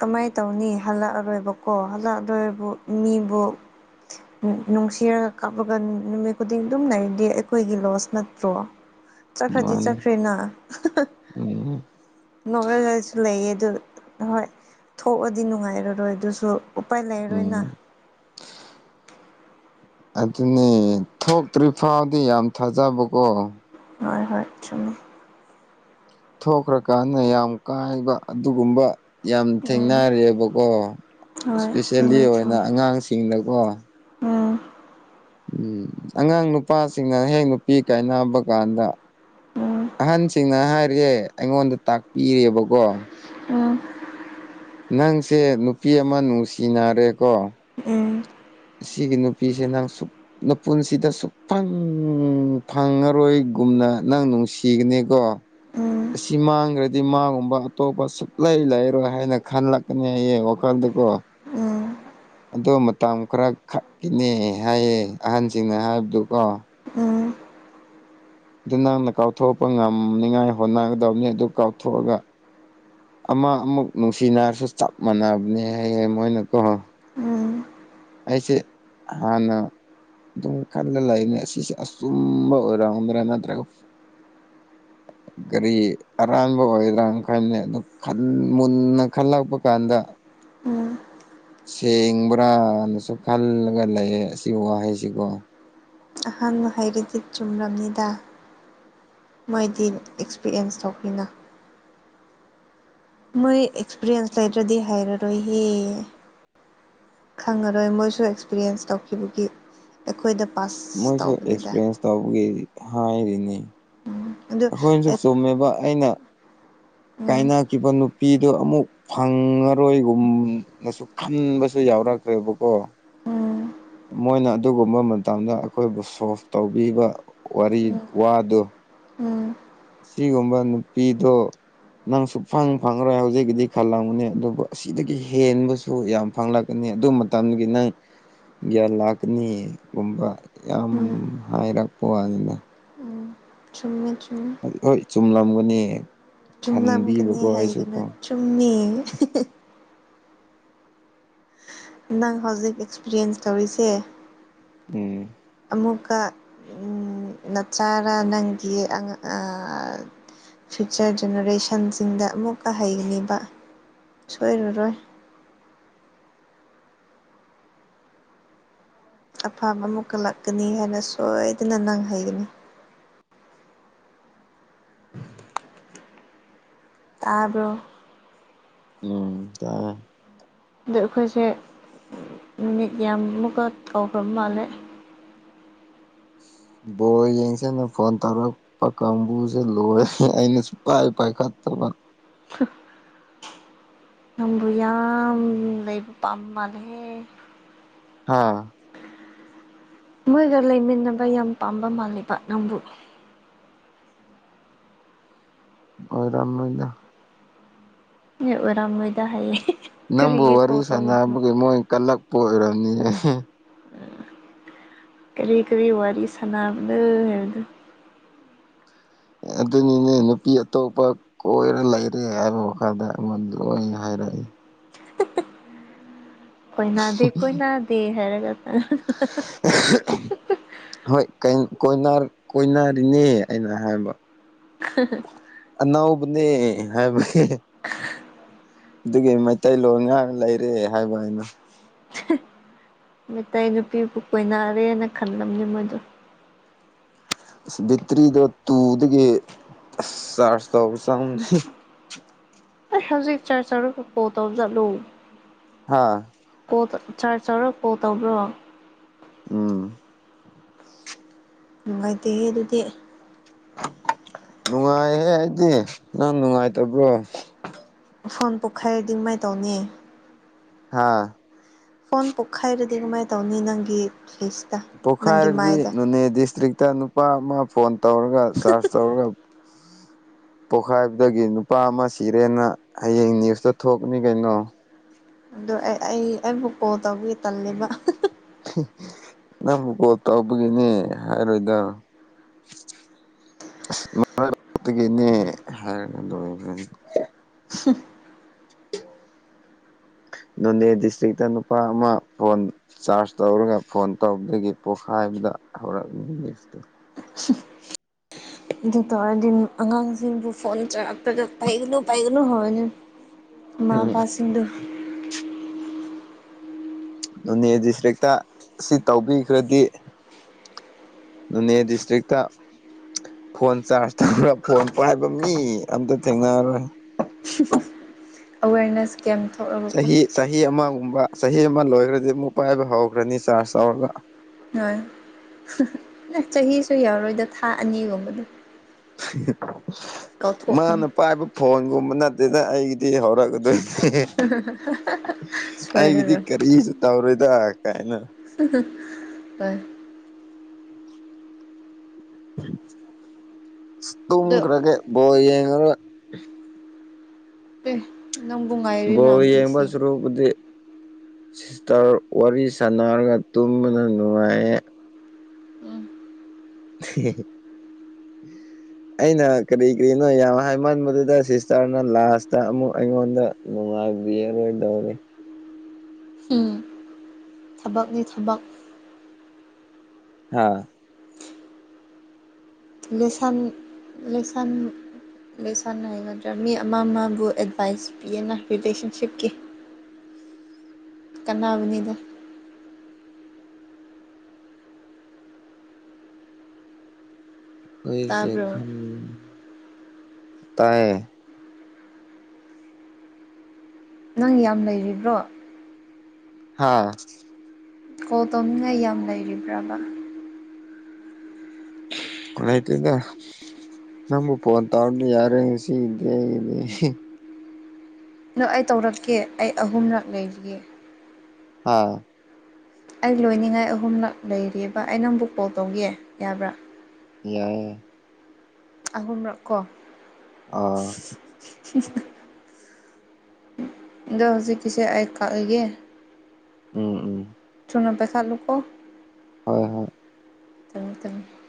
B: ꯀꯃꯥꯏ ꯇꯧꯅꯤ ꯍꯜꯂꯛꯑꯔꯣꯏꯕꯀꯣ ꯍꯜꯂꯛꯑꯔꯣꯏꯕꯨ ꯃꯤꯕꯨ ꯅꯨꯡꯁꯤꯔꯒ ꯀꯥꯞꯄꯒ ꯅꯨꯃꯤꯠ ꯈꯨꯗꯤꯡ ꯑꯗꯨꯝ ꯂꯩꯔꯗꯤ ꯑꯩꯈꯣꯏꯒꯤ ꯂꯣꯁ ꯅꯠꯇ꯭ꯔꯣ ꯆꯠꯈ꯭ꯔꯗꯤ
A: ꯃꯥꯅꯤ
B: ꯆꯠꯈ꯭ꯔꯦꯅ
A: ꯎꯝ
B: [unintelligible] ꯅꯣꯛꯔꯒꯁꯨ ꯂꯩꯌꯦ ꯑꯗꯨ ꯍꯣꯏ ꯊꯣꯛꯑꯗꯤ ꯅꯨꯡꯉꯥꯏꯔꯔꯣꯏ ꯑꯗꯨꯁꯨ ꯎꯄꯥꯏ ꯂꯩꯔꯔꯣꯏꯅ
A: ꯎꯝ꯫ ꯑꯗꯨꯅꯦ ꯊꯣꯛꯇ꯭ꯔꯤ ꯐꯥꯎꯗꯤ ꯌꯥꯝ ꯊꯥꯖꯕꯀꯣ꯫
B: ꯍꯣꯢ ꯍꯣꯏ ꯆꯨꯝꯃꯤ꯫
A: ꯊꯣꯛꯈ꯭ꯔꯀꯥꯟꯗ ꯌꯥꯝ ꯀꯥꯏꯕ ꯑꯗꯨꯒꯨꯝꯕ꯫ ꯌꯥꯝ
B: ꯎꯝ
A: ꯊꯦꯡꯅꯔꯑꯦꯕꯀꯣ
B: ꯍꯣꯏ
A: ꯏꯁꯄꯤꯁꯦꯜꯂꯤ
B: ꯆꯨꯝꯃꯦ
A: ꯑꯣꯏꯅ
B: ꯆꯨꯝꯃꯦ
A: ꯑꯉꯥꯡꯁꯤꯡꯗꯀꯣ
B: ꯎꯝ
A: ꯎꯝ ꯑꯉꯥꯡ ꯅꯨꯄꯥꯁꯤꯡꯅ ꯍꯦꯛ ꯅꯨꯄꯤ ꯀꯥꯏꯅꯕ ꯀꯥꯟꯗ
B: ꯎꯝ
A: ꯑꯍꯟꯁꯤꯡꯅ ꯍꯥꯏꯔꯑꯦ ꯑꯩꯉꯣꯟꯗ ꯇꯥꯛꯄꯤꯔꯦꯕꯀꯣ
B: ꯑ
A: ꯅꯪꯁꯦ ꯅꯨꯄꯤ ꯑꯃ ꯅꯨꯡꯁꯤꯅꯔꯦꯀꯣ
B: ꯎꯝ
A: ꯁꯤꯒꯤ ꯅꯨꯄꯤꯁꯦ ꯅꯪ ꯁꯁꯨꯛ ꯃꯄꯨꯟꯁꯤꯗ ꯁꯨꯛꯐꯪ ꯐꯪꯉꯔꯣꯏꯒꯨꯝꯅ ꯅꯪ ꯅꯨꯡꯁꯤ ꯆꯤꯛꯅꯤ ꯀꯣ
B: ꯎꯝ
A: ꯑꯁꯤ ꯃꯥꯡꯈ꯭ꯔꯗꯤ ꯃꯥꯒꯨꯝꯕ ꯑꯇꯣꯞꯄ ꯁꯨꯛꯂꯩ ꯂꯩꯔꯣꯏ ꯍꯥꯏꯅ ꯈꯜꯂꯛ ꯀꯩꯅꯌꯦ ꯑꯣꯈꯥꯟꯜꯗꯨꯀꯣ
B: ꯎꯝ
A: ꯑꯗꯣ ꯃꯇꯝ ꯈꯔ ꯈꯛꯀꯤꯅꯦ ꯍꯥꯏꯌꯦ ꯑꯍꯟꯁꯤꯡꯅ ꯍꯥꯏꯕꯗꯨꯀꯣ
B: ꯎꯝ
A: ꯑꯗꯨ ꯅꯪꯅ ꯀꯥꯎꯊꯣꯛꯄ ꯉꯝꯅꯤꯉꯥꯏ ꯍꯣꯠꯅꯒꯗꯕꯅꯤ ꯑꯗꯨ ꯀꯥꯎꯊꯣꯛꯑꯒ ꯑꯃ ꯑꯃꯨꯛ ꯅꯨꯡꯁꯤ ꯔꯁꯨ ꯆꯞ ꯃꯥꯟꯅꯕꯅꯦ ꯍꯥꯏꯌꯦ ꯃꯣꯏꯅ ꯀꯣꯍꯣ
B: ꯎꯝ
A: ꯑꯩꯁꯦ ꯍꯥꯟꯅ ꯑꯗꯨꯝ ꯈꯜꯂ ꯂꯩꯅꯦ ꯁꯤꯁꯦ ꯑꯆꯨꯝꯕ ꯑꯣꯏꯔꯝꯗ꯭ꯔꯥ ꯅꯠꯇ꯭ꯔꯒ [inaudible] ꯒꯥꯔꯤ ꯑꯔꯥꯟꯕ ꯑꯣꯏꯗ꯭ꯔꯥꯅ ꯈꯅꯦ ꯑꯗꯨ ꯃꯨꯟꯅ ꯈꯜꯂꯛꯄ ꯀꯥꯟꯗ
B: ꯎꯝ
A: ꯁꯦꯡꯕ꯭ꯔꯥꯅꯁꯨ ꯈꯜꯂꯒ ꯂꯩꯌꯦꯦ ꯑꯁꯤ ꯋꯥꯍꯩꯁꯤꯀꯣ
B: ꯑꯍꯥꯟꯕ ꯍꯩꯔꯗꯤ ꯆꯨꯝꯂꯅꯤꯗ ꯃꯣꯏꯗꯤ ꯑꯦꯛꯁꯄꯤꯔꯤꯌꯦꯟꯁ ꯇꯧꯕꯤꯅ ꯃꯣꯏ ꯑꯦꯛꯁꯄꯤꯔꯤꯌꯦꯟꯁ ꯂꯩꯗ꯭ꯔꯗꯤ ꯍꯥꯏꯔꯔꯣꯏꯍꯦ ꯈꯪꯉꯔꯣꯏ ꯃꯣꯏꯁꯨ ꯑꯦꯛꯁꯄꯤꯔꯤꯌꯦꯟꯁ ꯇꯧꯈꯤꯕꯒꯤ ꯑꯩꯈꯣꯏꯗ ꯄꯥꯁ ꯇꯧꯕꯅꯤꯗ
A: ꯇꯧꯒꯦ ꯍꯥꯏꯔꯤꯅꯤ
B: ꯑꯗꯨ
A: ꯑꯩꯈꯣꯏꯅꯁꯨ ꯆꯨꯝꯃꯦꯕ ꯑꯩꯅ
B: ꯎꯝ
A: ꯀꯥꯏꯅ ꯀꯕꯨ ꯅꯨꯄꯤ ꯑꯗꯨ ꯑꯃꯨꯛ ꯐꯪꯉꯔꯣꯏꯒꯨꯝꯅꯁꯨ ꯈꯟꯕꯁꯨ ꯌꯥꯎꯔꯛꯇ꯭ꯔꯦꯕꯀꯣ꯫
B: ꯎꯝ
A: ꯃꯣꯏꯅ ꯑꯗꯨꯒꯨꯝꯕ ꯃꯇꯝꯗ ꯑꯩꯈꯣꯏꯕꯨ ꯁꯣꯐ ꯇꯧꯕꯤꯕ ꯋꯥꯔꯤ
B: ꯎꯝ
A: ꯋꯥꯗꯨ
B: ꯎꯝ꯫
A: ꯁꯤꯒꯨꯝꯕ ꯅꯨꯄꯤꯗꯣ꯫ ꯅꯪꯁꯨꯐꯪ ꯐꯪꯔꯣꯏ ꯍꯧꯖꯤꯛꯀꯤꯗꯤ ꯈꯜꯂꯝꯒꯅꯤ ꯑꯗꯨꯕꯨ ꯑꯁꯤꯗꯒꯤ ꯍꯦꯟꯕꯁꯨ ꯌꯥꯝ꯫ ꯐꯪꯂꯛꯀꯅꯤ ꯑꯗꯨ ꯃꯇꯝꯒꯤ ꯅꯪ ꯒ꯭ꯌꯥꯟ ꯂꯥꯛꯀꯅꯤꯒꯨꯝꯕ ꯌꯥꯝ
B: ꯎꯝ
A: ꯍꯥꯏꯔꯛꯄꯅ
B: ꯎꯝ [unintelligible]
A: ꯍꯣꯏ ꯆꯨꯝꯂꯝꯒꯅꯤ ꯈꯟꯕꯤꯕꯀꯣ ꯑꯩꯁꯨꯀꯣ
B: ꯇꯨꯝꯃꯤ ꯅꯪ ꯍꯧꯖꯤꯛ ꯑꯦꯛꯁꯄꯤꯔꯤꯌꯦꯟꯁ ꯇꯧꯔꯤꯁꯦ
A: ꯎꯝ
B: ꯑꯃꯨꯀ ꯅꯆꯥꯔ ꯅꯪꯒꯤ ꯐ꯭ꯌꯨꯆꯔ ꯖꯦꯅꯦꯔꯦꯁꯟꯁꯤꯡꯗ ꯑꯃꯨꯛꯀ ꯍꯩꯕ ꯁꯣꯏꯔꯔꯣꯏ ꯑꯐꯕ ꯑꯃꯨꯛ ꯀꯠꯂꯛꯀꯅꯤ ꯍꯥꯏꯅ ꯁꯣꯏꯗꯅ ꯅꯪ ꯍꯥꯏꯩꯒꯅꯤ ꯇꯥꯕ꯭ꯔꯣ
A: ꯎꯝ ꯇ
B: ꯑꯗꯣ ꯑꯩꯈꯣꯏꯁꯦ ꯅꯨꯅꯤꯠ ꯌꯥꯝꯃꯨꯛꯀ ꯇꯧꯈ꯭ꯔꯕ ꯃꯥꯜꯂꯦ
A: ꯕꯣꯜ ꯌꯦꯡꯁꯤꯅ ꯐꯣꯟ ꯇꯧꯔꯛꯄ꯫ ꯄꯥ ꯀꯥꯡꯕꯨꯁꯦ ꯂꯣꯏꯔꯦ ꯑꯩꯅꯁꯨ ꯄꯥꯏ ꯄꯥꯏꯈꯠꯇ꯭ꯔꯕ꯫
B: ꯍꯨꯟ ꯅꯪꯕꯨ ꯌꯥꯝ ꯂꯩꯕ ꯄꯥꯝ ꯃꯥꯜꯂꯍꯦ
A: ꯍꯥꯥ
B: ꯃꯣꯏꯒ ꯂꯩꯃꯤꯟꯅꯕ ꯌꯥꯝ ꯄꯥꯝꯕ ꯃꯥꯜꯂꯤꯕ ꯅꯪꯕꯨ
A: ꯑꯣꯏꯣꯏꯔꯝꯅꯣꯏꯗ
B: ꯃꯤ ꯑꯣꯏꯔꯝ ꯑꯣꯏꯣꯏꯗꯥ ꯍꯥꯏꯌꯦꯌꯦ
A: ꯅꯪꯕꯨ ꯋꯥꯔꯤ ꯁꯥꯟꯅꯕꯒꯤ ꯃꯣꯏ ꯀꯜꯂꯛꯄ ꯑꯣꯏꯔꯕꯝꯅꯤꯍ
B: ꯀꯔꯤ ꯀꯔꯤ ꯋꯥꯔꯤ ꯁꯅꯥꯝ ꯂꯩ
A: ꯑꯗꯨꯅꯤꯅꯦ ꯅꯨꯄꯤ ꯑꯇꯣꯞꯄ ꯀꯣꯏꯔꯦ ꯂꯩꯔꯦ ꯍꯥꯏꯕ ꯋꯥꯈꯥꯗ ꯃꯗꯨ ꯍꯥꯏꯔꯛꯏꯦ
B: ꯀꯣꯏꯅꯥꯗꯦ ꯀꯣꯏꯅꯗꯦ ꯍꯥꯏꯔꯒ
A: [unintelligible] ꯍꯣꯏ ꯀꯣꯏꯅꯔꯤꯅꯦ ꯑꯩꯅ ꯍꯥꯏꯕ
B: [unintelligible]
A: ꯑꯥꯅꯥꯎꯕꯅꯦ ꯍꯥꯏꯕ ꯑꯗꯨꯒꯤ ꯃꯩꯇꯩꯂꯣꯟ ꯉꯥꯛ ꯂꯩꯔꯦ ꯍꯥꯏꯕ ꯍꯥꯏꯅ
B: ꯃꯩꯇꯩ ꯅꯨꯄꯤꯕꯨ ꯀꯣꯏꯅꯔꯦꯅ ꯈꯜꯂꯝꯅꯤ ꯃꯣꯏꯗꯣ
A: ꯕꯤꯠꯇ꯭ꯔꯤꯗꯣ ꯇꯨꯗꯒꯤ ꯆꯥꯔꯖ ꯇꯧꯕ ꯆꯗꯦ
B: ꯑꯩ ꯍꯧꯖꯤꯛ ꯆꯥ ꯆꯥ ꯀꯣ ꯇꯖꯂꯨ
A: ꯍꯥꯥ
B: ꯀꯣ ꯆꯥꯔꯖ ꯆꯥꯎꯧꯔꯣ ꯀꯣ ꯇꯧꯕ꯭ꯔꯣ
A: ꯎꯝ
B: ꯅꯨꯡꯉꯥꯏꯗꯤ ꯑꯗꯨꯗꯤ
A: ꯅꯨꯡꯉꯥꯏꯍꯦ ꯑꯩꯗꯤ ꯅꯪ ꯅꯨꯡꯉꯥꯏꯇꯕ꯭ꯔꯣ
B: ꯐꯣꯟ ꯄꯣꯛꯈꯥꯏꯔꯗꯤ ꯀꯃꯥꯏꯅ ꯇꯧꯅꯤ
A: ꯍꯥꯥ
B: ꯐꯣꯟ ꯄꯣꯛꯈꯥꯏꯔꯗꯤ ꯀꯃꯥꯏꯅ ꯇꯧꯅꯤ ꯅꯪꯒꯤ ꯄ꯭ꯂꯤꯁ
A: ꯄꯣꯛꯈꯥꯏꯔꯗꯤ ꯅꯣꯅꯦ ꯗꯤꯁꯇ꯭ꯔꯤꯛꯇ ꯅꯨꯄꯥ ꯑꯃ ꯐꯣꯟ ꯇꯧꯔꯒ ꯆꯥꯔꯖ ꯇꯧꯔꯒ ꯄꯣꯛꯈꯥꯏꯕꯗꯒꯤ ꯅꯨꯄꯥ ꯑꯃ ꯁꯤꯔꯦꯅ ꯍꯌꯦꯡ ꯅ꯭ꯌꯨꯁꯇ ꯊꯣꯛꯅꯤ ꯀꯩꯅꯣ
B: ꯑꯗꯨ ꯑꯩ ꯑꯩ ꯑꯩꯕꯨꯛ ꯀꯣꯜ ꯇꯧꯕꯒꯦ ꯇꯜꯂꯦꯕ
A: ꯅꯪꯕꯨ ꯀꯣꯜ ꯇꯧꯕꯒꯤꯅꯦ ꯍꯥꯏꯔꯣꯏꯗ [unintelligible] ꯅꯣꯅꯦ ꯗꯤꯁꯇ꯭ꯔꯤꯛ ꯇ ꯅꯨꯄꯥ ꯑꯃ ꯐꯣꯟ ꯆꯥꯔꯖ ꯇꯧꯔꯒ ꯐꯣꯟ ꯇꯧꯕꯗꯒꯤ ꯄꯣꯛꯈꯥꯏꯕꯗ ꯍꯧꯔꯛꯅꯤꯁꯇꯣ
B: ꯑꯗꯨ ꯇꯧꯔꯗꯤ ꯑꯉꯥꯡꯁꯤꯡꯕꯨ ꯐꯣꯟ [unintelligible] ꯄꯥꯏꯒꯅꯨ ꯄꯥꯏꯒꯅꯨ ꯍꯥꯏꯒꯅꯤ ꯃꯥꯕꯥꯥ ꯁꯤꯡꯗꯨ
A: ꯅꯣꯅꯦ ꯗꯤꯁꯇ꯭ꯔꯤꯛꯇ ꯑꯁꯤ ꯇꯧꯕꯤꯈ꯭ꯔꯗꯤ ꯅꯣꯅꯦ ꯗꯤꯁꯇ꯭ꯔꯤꯛꯇ ꯐꯣꯟ ꯆꯥꯔꯖ ꯇꯧꯔ ꯐꯣꯟ ꯄꯥꯏꯕ ꯃꯤ ꯑꯝꯇ ꯊꯦꯡꯅꯔꯔꯣꯏ
B: ꯑꯋꯦꯔꯅꯦꯁ ꯀꯦꯝ ꯊꯣꯛꯔꯒꯀꯣ
A: ꯆꯍꯤ ꯆꯍꯤ ꯑꯃꯒꯨꯝꯕ ꯆꯍꯤ ꯑꯃ ꯂꯣꯏꯈ꯭ꯔꯗꯤ ꯑꯃꯨꯛ ꯄꯥꯏꯕ ꯍꯧꯈ꯭ꯔꯅꯤ ꯆꯥꯔꯖ ꯇꯧꯔꯒ
B: ꯍꯣꯏ ꯅ ꯆꯍꯤꯁꯨ ꯌꯥꯎꯔꯣꯏꯗ ꯊꯥ ꯑꯅꯤꯒꯨꯝꯕꯗ ꯀꯥꯎꯊꯣꯛꯀꯅꯤ
A: ꯃꯥꯅ ꯄꯥꯏꯕ ꯐꯣꯟꯒꯨꯝꯕ ꯅꯠꯇꯦꯅ ꯑꯩꯒꯤꯗꯤ ꯍꯧꯔꯛꯀꯗꯣꯏꯅꯤ
B: ꯁꯣꯏꯔꯔꯣ
A: ꯗꯩꯔꯣꯗ ꯀꯥꯏꯅ
B: ꯇꯥꯏ ꯑꯗꯣ
A: ꯇꯨꯝꯈ꯭ꯔꯒꯦ ꯕꯣꯂ ꯌꯦꯔꯣꯏ
B: ꯑꯦ ꯅꯪꯕꯨ ꯉꯥꯏꯔꯤꯅ ꯃꯤꯁꯤꯡ
A: ꯗꯤ ꯁꯤꯁꯇꯔ ꯋꯥꯔꯤ ꯁꯥꯟꯅꯔꯒ ꯇꯨꯝꯕꯅ ꯅꯨꯡꯉꯥꯏꯌꯦ [inaudible] ꯑꯩꯅ ꯀꯔꯤ ꯀꯔꯤꯅꯣ ꯌꯥꯝ ꯍꯥꯏꯃꯟꯕꯗꯨꯗ ꯁꯤꯁꯇꯔꯅ ꯂꯥꯁꯇ ꯑꯃꯨꯛ ꯑꯩꯉꯣꯟꯗ ꯅꯨꯡꯉꯥꯏꯕꯤ ꯔꯣꯏꯗꯧꯔꯤ
B: ꯎꯝ ꯊꯕꯛꯅꯤ ꯊꯕꯛ
A: ꯍꯥꯥ
B: ꯂꯦꯁꯟ ꯂꯦꯁꯟ ꯂꯣꯏꯁꯟꯍꯩꯒꯗ꯭ꯔꯥ ꯃꯤ ꯑꯃ ꯑꯃꯕꯨ ꯑꯦꯗꯚꯥꯏꯁ ꯄꯤꯌꯦꯅ ꯔꯤꯂꯦꯁꯟꯁꯤꯞꯀꯤ ꯀꯥꯟꯅꯕꯅꯤꯗ
A: ꯍꯨꯌꯤꯛꯁꯦ
B: ꯇꯥꯕ꯭ꯔꯣ
A: ꯈꯪ ꯇꯥꯏꯌꯦ
B: ꯅꯪ ꯌꯥꯝ ꯂꯩꯔꯤꯕ꯭ꯔꯣ
A: ꯍꯥꯥ
B: ꯀꯣꯜ ꯇꯧꯅꯤꯡꯉꯥꯏ ꯌꯥꯝ ꯂꯩꯔꯤꯕ꯭ꯔꯕ
A: [unintelligible] ꯅꯪꯕꯨ ꯐꯣꯟ ꯇꯥꯎꯔꯗꯤ ꯌꯥꯔꯦ ꯑꯩꯒꯤꯗꯤ ꯉꯥꯁꯤꯒꯤꯗꯤ
B: ꯅꯣ ꯑꯩ ꯇꯧꯔꯛꯀꯦ ꯑꯩ ꯑꯍꯨꯝꯔꯛ ꯂꯩꯔꯤꯌꯦ
A: ꯍꯥ
B: ꯑꯩ ꯂꯣꯏꯅꯤꯡꯉꯥꯏ ꯑꯍꯨꯝꯂꯛ ꯂꯩꯔꯤꯕꯑꯕ ꯑꯩ ꯅꯡꯕꯨ ꯀꯣꯜ ꯇꯧꯒꯦ ꯌꯥꯕ꯭ꯔꯥ
A: ꯌꯥꯏꯌꯦ
B: ꯑꯍꯨꯝꯔꯛ ꯀꯣ
A: ꯑꯥ
B: ꯑꯗꯣ ꯍꯧꯖꯤꯛꯀꯤꯁꯦ ꯑꯩ ꯀꯛꯑꯦꯒꯦ
A: ꯎꯝ ꯎꯝ
B: ꯊꯨꯅꯥ ꯄꯥꯏꯈꯠꯂꯨꯀꯣ
A: ꯍꯣꯏ ꯍꯣꯏ
B: [unintelligible]